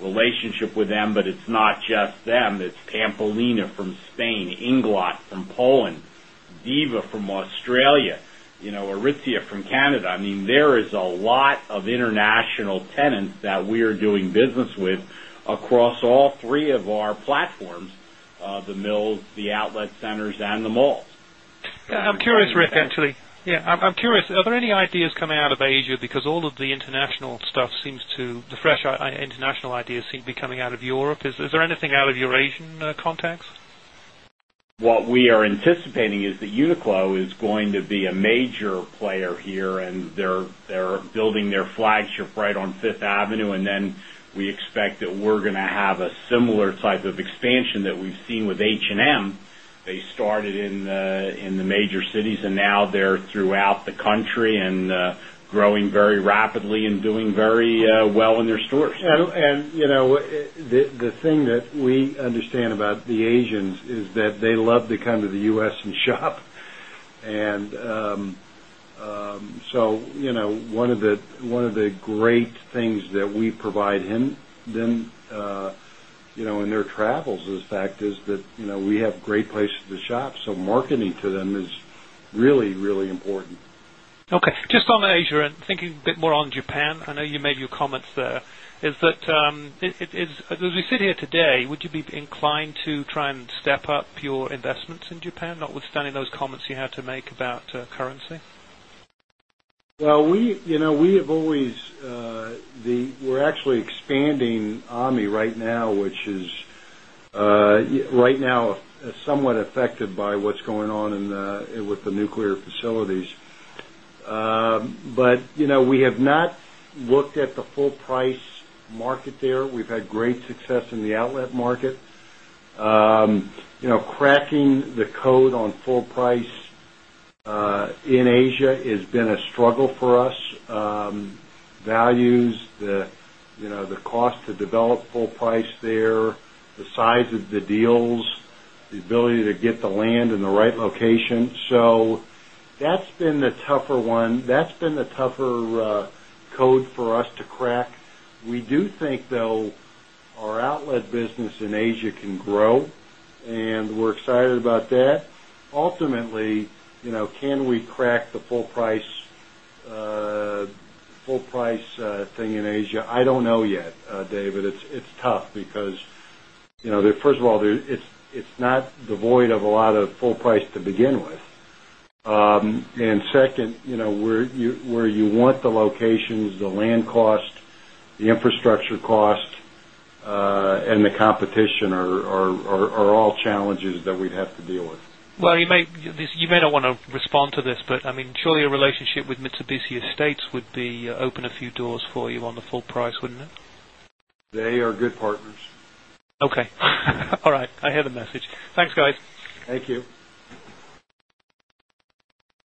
relationship with them, but it's not just them. It's Tampolina from Spain, Inglot from Poland, Diva from Australia, Aritzia from Canada. There is a lot of international tenants that we are doing business with across all three of our platforms, the Mills, the outlet centers, and the malls. I'm curious, Rick. Are there any ideas coming out of Asia? All of the international stuff, the fresh international ideas, seem to be coming out of Europe. Is there anything out of your Asian context? What we are anticipating is that Uniqlo is going to be a major player here, and they're building their flagship right on Fifth Avenue. We expect that we're going to have a similar type of expansion that we've seen with H&M. They started in the major cities, and now they're throughout the country, growing very rapidly and doing very well in their stores. What we understand about the Asians is that they love to come to the U.S. and shop. One of the great things that we provide them, you know, in their current possible. The fact is that we have great places to shop, so marketing to them is really, really important. Okay. Just on the Asia and thinking a bit more on Japan, I know you made your comments there, is that, as we sit here today, would you be inclined to try and step up your investments in Japan, notwithstanding those comments you had to make about currency? We have always, we're actually expanding Ami right now, which is right now somewhat affected by what's going on with the nuclear facilities. We have not looked at the full-price market there. We've had great success in the outlet market. Cracking the code on full price in Asia has been a struggle for us. The values, the cost to develop full price there, the size of the deals, the ability to get the land in the right location, that's been the tougher one. That's been the tougher code for us to crack. We do think our outlet business in Asia can grow, and we're excited about that. Ultimately, can we crack the full price thing in Asia? I don't know yet, David. It's tough because, first of all, it's not devoid of a lot of full price to begin with. Second, where you want the locations, the land cost, the infrastructure cost, and the competition are all challenges that we'd have to deal with. You may not want to respond to this, but I mean, surely a relationship with Mitsubishi Estate would open a few doors for you on the full price, wouldn't it? They are good partners. Okay. All right. I heard the message. Thanks, guys. Thank you.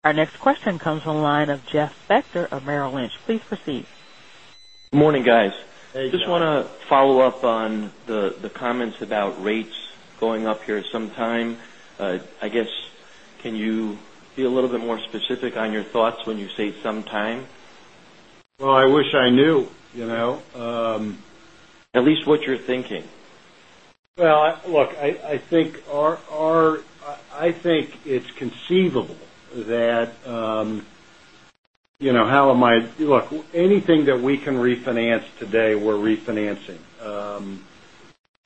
Our next question comes on the line of Jeff Becker of Merrill Lynch. Please proceed. Morning guys. Hey, Jeff. I just want to follow up on the comments about rates going up here sometime. I guess, can you be a little bit more specific on your thoughts when you say sometime? I wish I knew, you know. At least what you're thinking. I think it's conceivable that, you know, anything that we can refinance today, we're refinancing.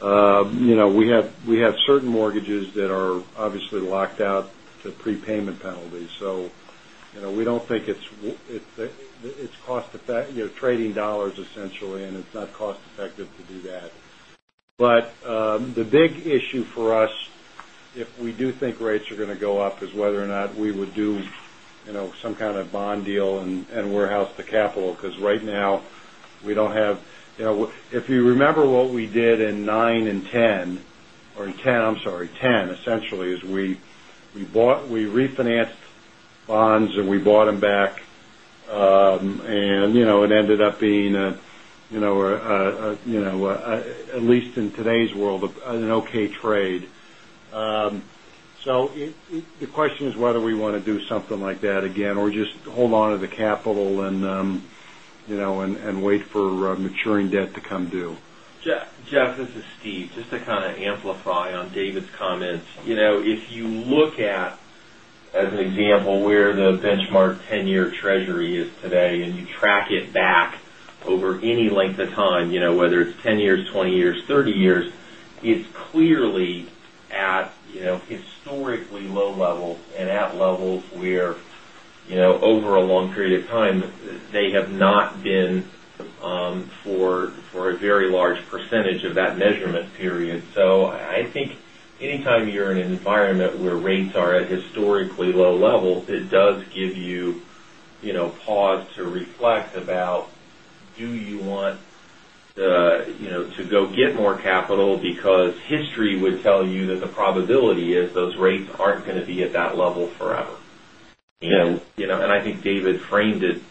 We have certain mortgages that are obviously locked out to prepayment penalties. We don't think it's cost effective, you know, trading dollars essentially, and it's not cost effective to do that. The big issue for us, if we do think rates are going to go up, is whether or not we would do some kind of bond deal and warehouse the capital. Right now, we don't have, you know, if you remember what we did in 2009 and 2010, or in 2010, I'm sorry, 2010 essentially, is we refinanced bonds and we bought them back. It ended up being, at least in today's world, an okay trade. The question is whether we want to do something like that again or just hold on to the capital and wait for maturing debt to come due. Jeff, this is Steve. Just to kind of amplify on David's comments, if you look at, as an example, where the benchmark 10-year treasury is today and you track it back over any length of time, whether it's 10 years, 20 years, 30 years, it's clearly at historically low levels and at levels where, over a long period of time, they have not been for a very large percentage of that measurement period. I think anytime you're in an environment where rates are at historically low levels, it does give you pause to reflect about do you want to go get more capital because history would tell you that the probability is those rates aren't going to be at that level forever. I think David framed it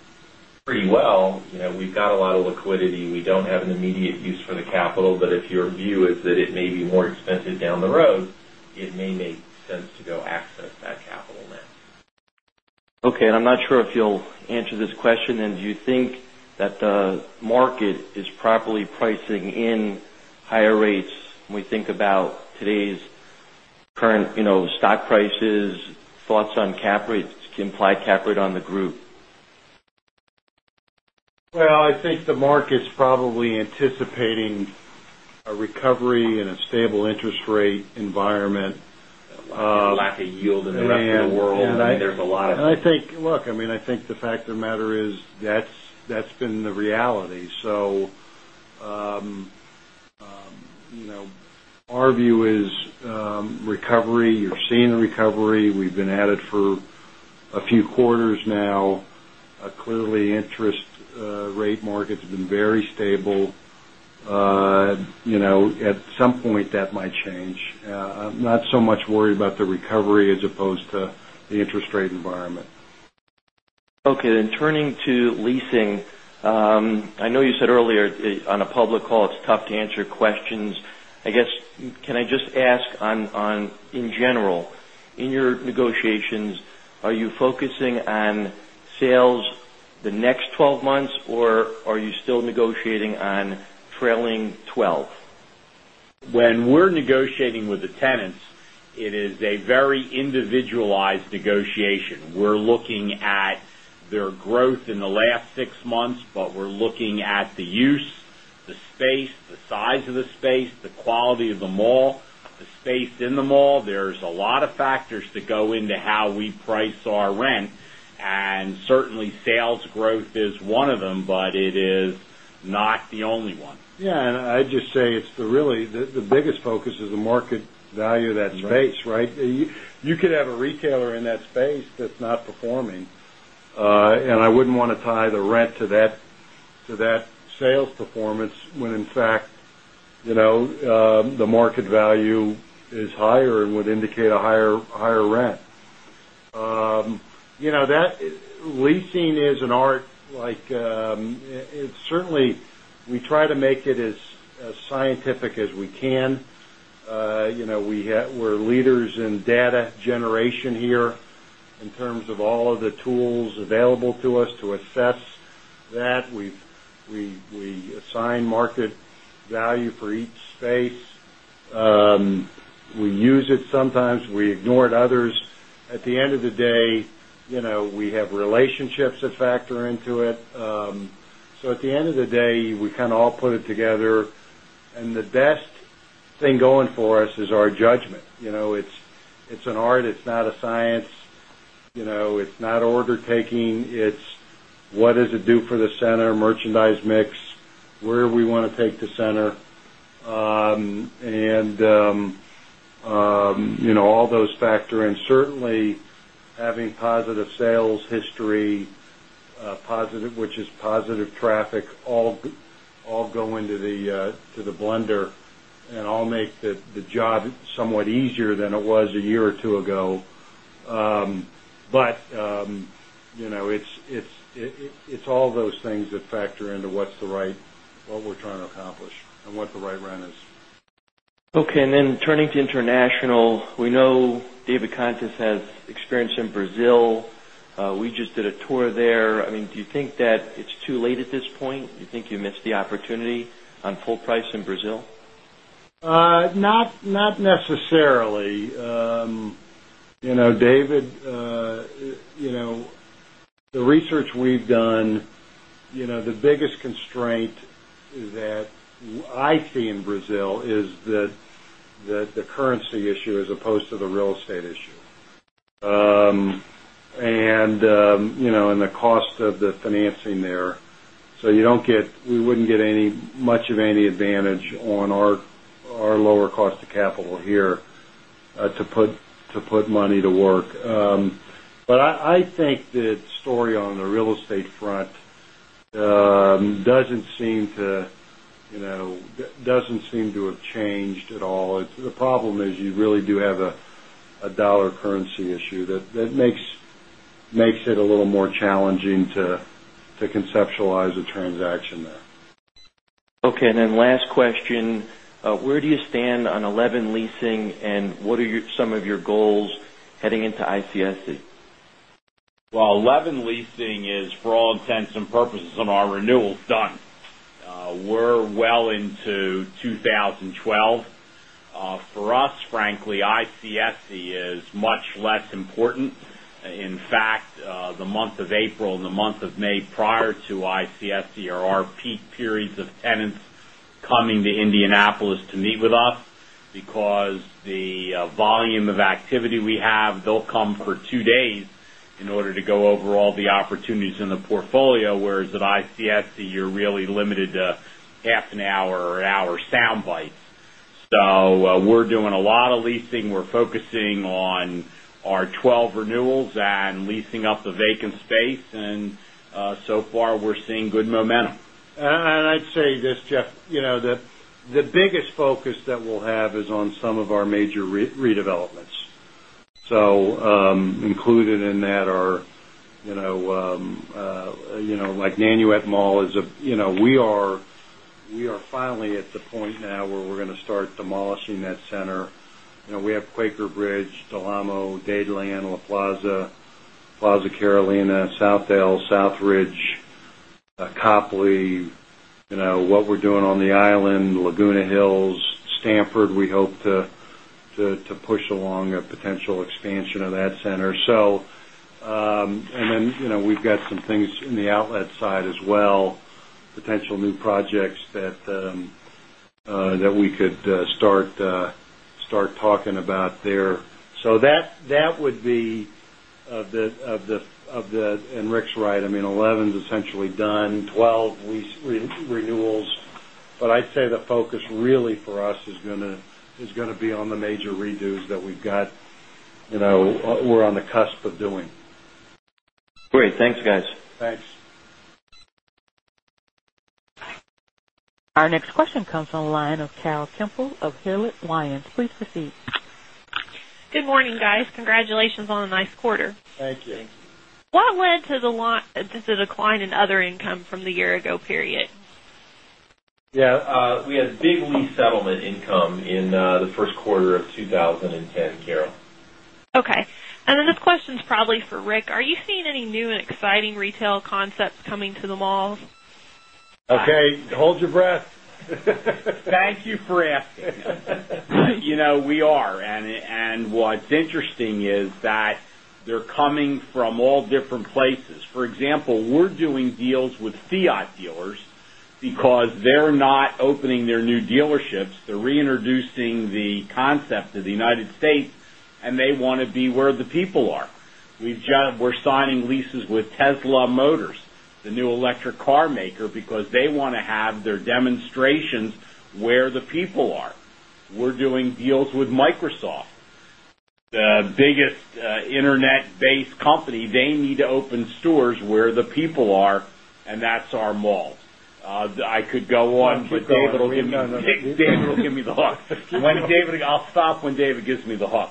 pretty well. We've got a lot of liquidity. We don't have an immediate use for the capital, but if your view is that it may be more expensive down the road, it may make sense to go access that capital now. Okay. I'm not sure if you'll answer this question. Do you think that the market is properly pricing in higher rates when we think about today's current stock prices, thoughts on cap rates, implied cap rate on the group? I think the market's probably anticipating a recovery in a stable interest rate environment. Lack of yield in the rest of the world. I think the fact of the matter is that's been the reality. You know, our view is recovery. You're seeing a recovery. We've been at it for a few quarters now. Clearly, interest rate markets have been very stable. You know, at some point, that might change. I'm not so much worried about the recovery as opposed to the interest rate environment. Okay. Turning to leasing, I know you said earlier on a public call it's tough to answer questions. I guess, can I just ask in general, in your negotiations, are you focusing on sales the next 12 months, or are you still negotiating on trailing 12? When we're negotiating with the tenants, it is a very individualized negotiation. We're looking at their growth in the last six months, but we're looking at the use, the space, the size of the space, the quality of the mall, the space in the mall. There are a lot of factors that go into how we price our rent, and certainly, sales growth is one of them, but it is not the only one. Yeah. I'd just say it's really the biggest focus is the market value of that space, right? You could have a retailer in that space that's not performing, and I wouldn't want to tie the rent to that sales performance when in fact, you know, the market value is higher and would indicate a higher rent. You know, leasing is an art. We try to make it as scientific as we can. You know, we have, we're leaders in data generation here in terms of all of the tools available to us to assess that. We assign market value for each space. We use it sometimes. We ignore it others. At the end of the day, we have relationships that factor into it. At the end of the day, we kind of all put it together. The best thing going for us is our judgment. You know, it's an art. It's not a science. It's not order-taking. It's what does it do for the center, merchandise mix, where do we want to take the center? All those factor in. Certainly, having positive sales history, positive, which is positive traffic, all go into the blender and all makes the job somewhat easier than it was a year or two ago. It's all those things that factor into what we're trying to accomplish and what the right rent is. Okay. Turning to international, we know David Contis has experience in Brazil. We just did a tour there. Do you think that it's too late at this point? Do you think you missed the opportunity on full price in Brazil? Not necessarily. You know, David, the research we've done, the biggest constraint that I see in Brazil is the currency issue as opposed to the real estate issue, and the cost of the financing there. You don't get, we wouldn't get much of any advantage on our lower cost of capital here to put money to work. I think that story on the real estate front doesn't seem to have changed at all. The problem is you really do have a dollar currency issue that makes it a little more challenging to conceptualize a transaction there. Okay. And then last question, where do you stand on 2011 leasing and what are your, some of your goals heading into ICSC? 2011 leasing is, for all intents and purposes, on our renewal done. We're well into 2012. For us, frankly, ICSC is much less important. In fact, the month of April and the month of May prior to ICSC are our peak periods of tenants coming to Indianapolis to meet with us because the volume of activity we have, they'll come for two days in order to go over all the opportunities in the portfolio, whereas at ICSC, you're really limited to half an hour or an hour sound bites. We're doing a lot of leasing. We're focusing on our 2012 renewals and leasing up the vacant space. So far, we're seeing good momentum. I'd say this, Jeff, the biggest focus that we'll have is on some of our major redevelopments. Included in that are, like Nanuet Mall, we are finally at the point now where we're going to start demolishing that center. We have Quaker Bridge, Del Amo, Dadeland, La Plaza, Plaza Carolina, Southdale, Southridge, Acople. What we're doing on the island, Laguna Hill, Stanford, we hope to push along a potential expansion of that center. We've got some things in the outlet side as well, potential new projects that we could start talking about there. That would be the, and Rick's right. 2011's essentially done, 2012 renewals. I'd say the focus really for us is going to be on the major redos that we've got, we're on the cusp of doing. Great. Thanks, you guys. Thanks. Our next question comes on the line of [Hal Temple] of [Hewitt-Weiss]. Please proceed. Good morning, guys. Congratulations on a nice quarter. Thank you. Thank you. What led to the decline in other income from the year-ago period? Yeah. We had big lease settlement income in the first quarter of 2010, Carol. Okay. This question's probably for Rick. Are you seeing any new and exciting retail concepts coming to the malls? Okay. Hold your breath. Thank you for asking. You know, we are. What's interesting is that they're coming from all different places. For example, we're doing deals with Fiat dealers because they're not opening their new dealerships. They're reintroducing the concept to the U.S., and they want to be where the people are. We've just, we're signing leases with Tesla Motors, the new electric car maker, because they want to have their demonstrations where the people are. We're doing deals with Microsoft, the biggest internet-based company. They need to open stores where the people are, and that's our malls. I could go on, but David will. No, no, no. David will give me the hook. I'll stop when David gives me the hook.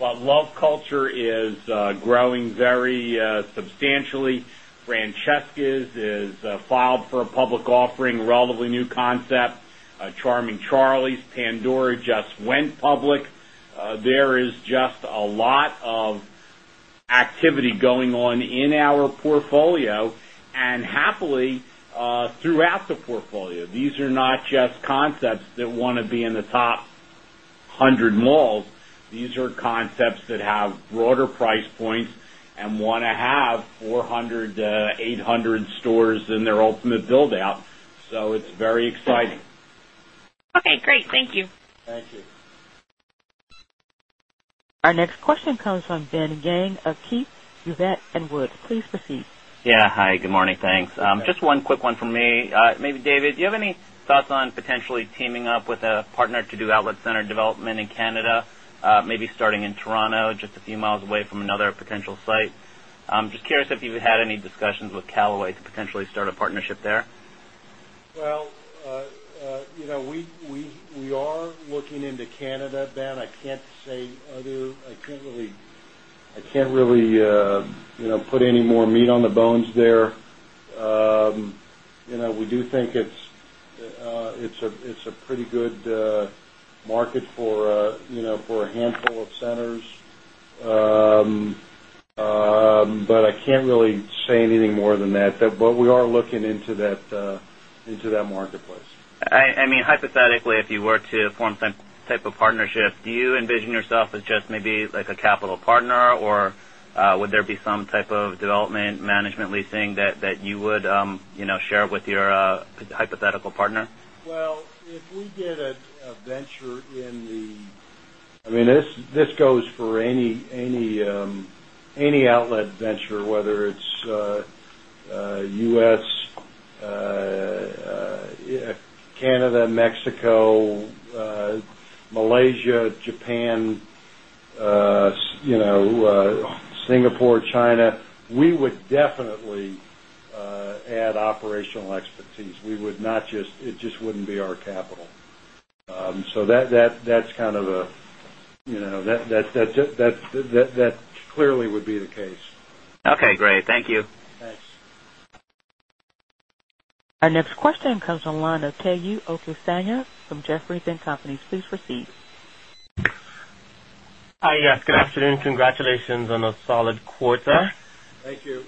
Love Culture is growing very substantially. Francesca's is filed for a public offering, a relatively new concept. Charming Charlie, Pandora just went public. There is just a lot of activity going on in our portfolio and, happily, throughout the portfolio. These are not just concepts that want to be in the top 100 malls. These are concepts that have broader price points and want to have 400, 800 stores in their ultimate build-out. It's very exciting. Okay. Great. Thank you. Thank you. Our next question comes from Ben Yang of Keefe, Bruyette & Woods. Please proceed. Yeah. Hi. Good morning. Thanks. Just one quick one from me. Maybe, David, do you have any thoughts on potentially teaming up with a partner to do outlet center development in Canada, maybe starting in Toronto, just a few miles away from another potential site? I'm just curious if you've had any discussions with Calloway to potentially start a partnership there. You know, we are looking into Canada, Ben. I can't really, you know, put any more meat on the bones there. You know, we do think it's a pretty good market for, you know, for a handful of centers. I can't really say anything more than that. We are looking into that marketplace. I mean, hypothetically, if you were to form some type of partnership, do you envision yourself as just maybe like a capital partner, or would there be some type of development, management, leasing that you would share with your hypothetical partner? If we get a venture in the, I mean, this goes for any outlet venture, whether it's U.S., Canada, Mexico, Malaysia, Japan, Singapore, China, we would definitely add operational expertise. We would not just, it just wouldn't be our capital. That clearly would be the case. Okay. Great. Thank you. Thanks. Our next question comes on the line of Tayo Okusanya from Jefferies & Company. Please proceed. Hi. Yes, good afternoon. Congratulations on a solid quarter. Thank you.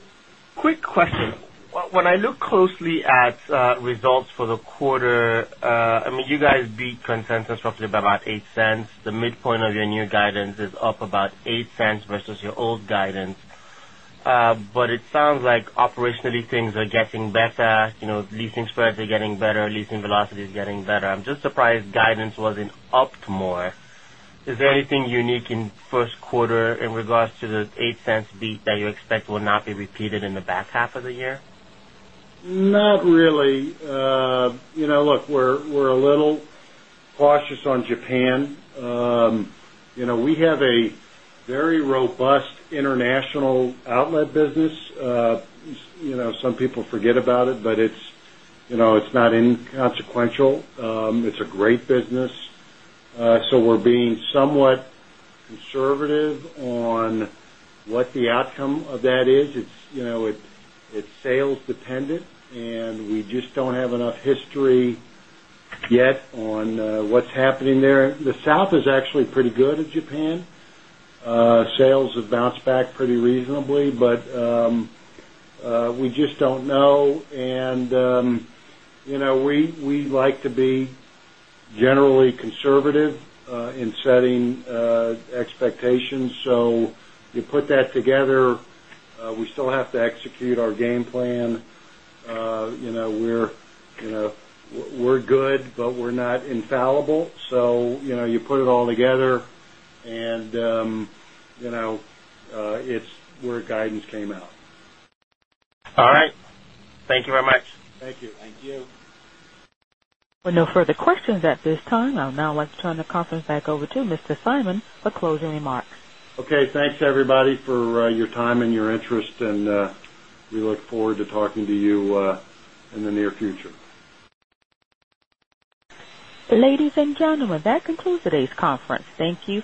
Quick question. When I look closely at results for the quarter, I mean, you guys beat consensus roughly by about $0.08. The midpoint of your new guidance is up about $0.08 versus your old guidance. It sounds like operationally, things are getting better. You know, leasing spreads are getting better. Leasing velocity is getting better. I'm just surprised guidance wasn't upped more. Is there anything unique in the first quarter in regards to the $0.08 beat that you expect will not be repeated in the back half of the year? Not really. Look, we're a little cautious on Japan. We have a very robust international outlet business. Some people forget about it, but it's not inconsequential. It's a great business. We're being somewhat conservative on what the outcome of that is. It's sales dependent, and we just don't have enough history yet on what's happening there. The South is actually pretty good in Japan. Sales have bounced back pretty reasonably, but we just don't know. We like to be generally conservative in setting expectations. You put that together, we still have to execute our game plan. We're good, but we're not infallible. You put it all together, and it's where guidance came out. All right. Thank you very much. Thank you. Thank you. With no further questions at this time, I'll now like to turn the conference back over to Mr. Simon for closing remarks. Okay, thanks, everybody, for your time and your interest. We look forward to talking to you in the near future. Ladies and gentlemen, that concludes today's conference. Thank you.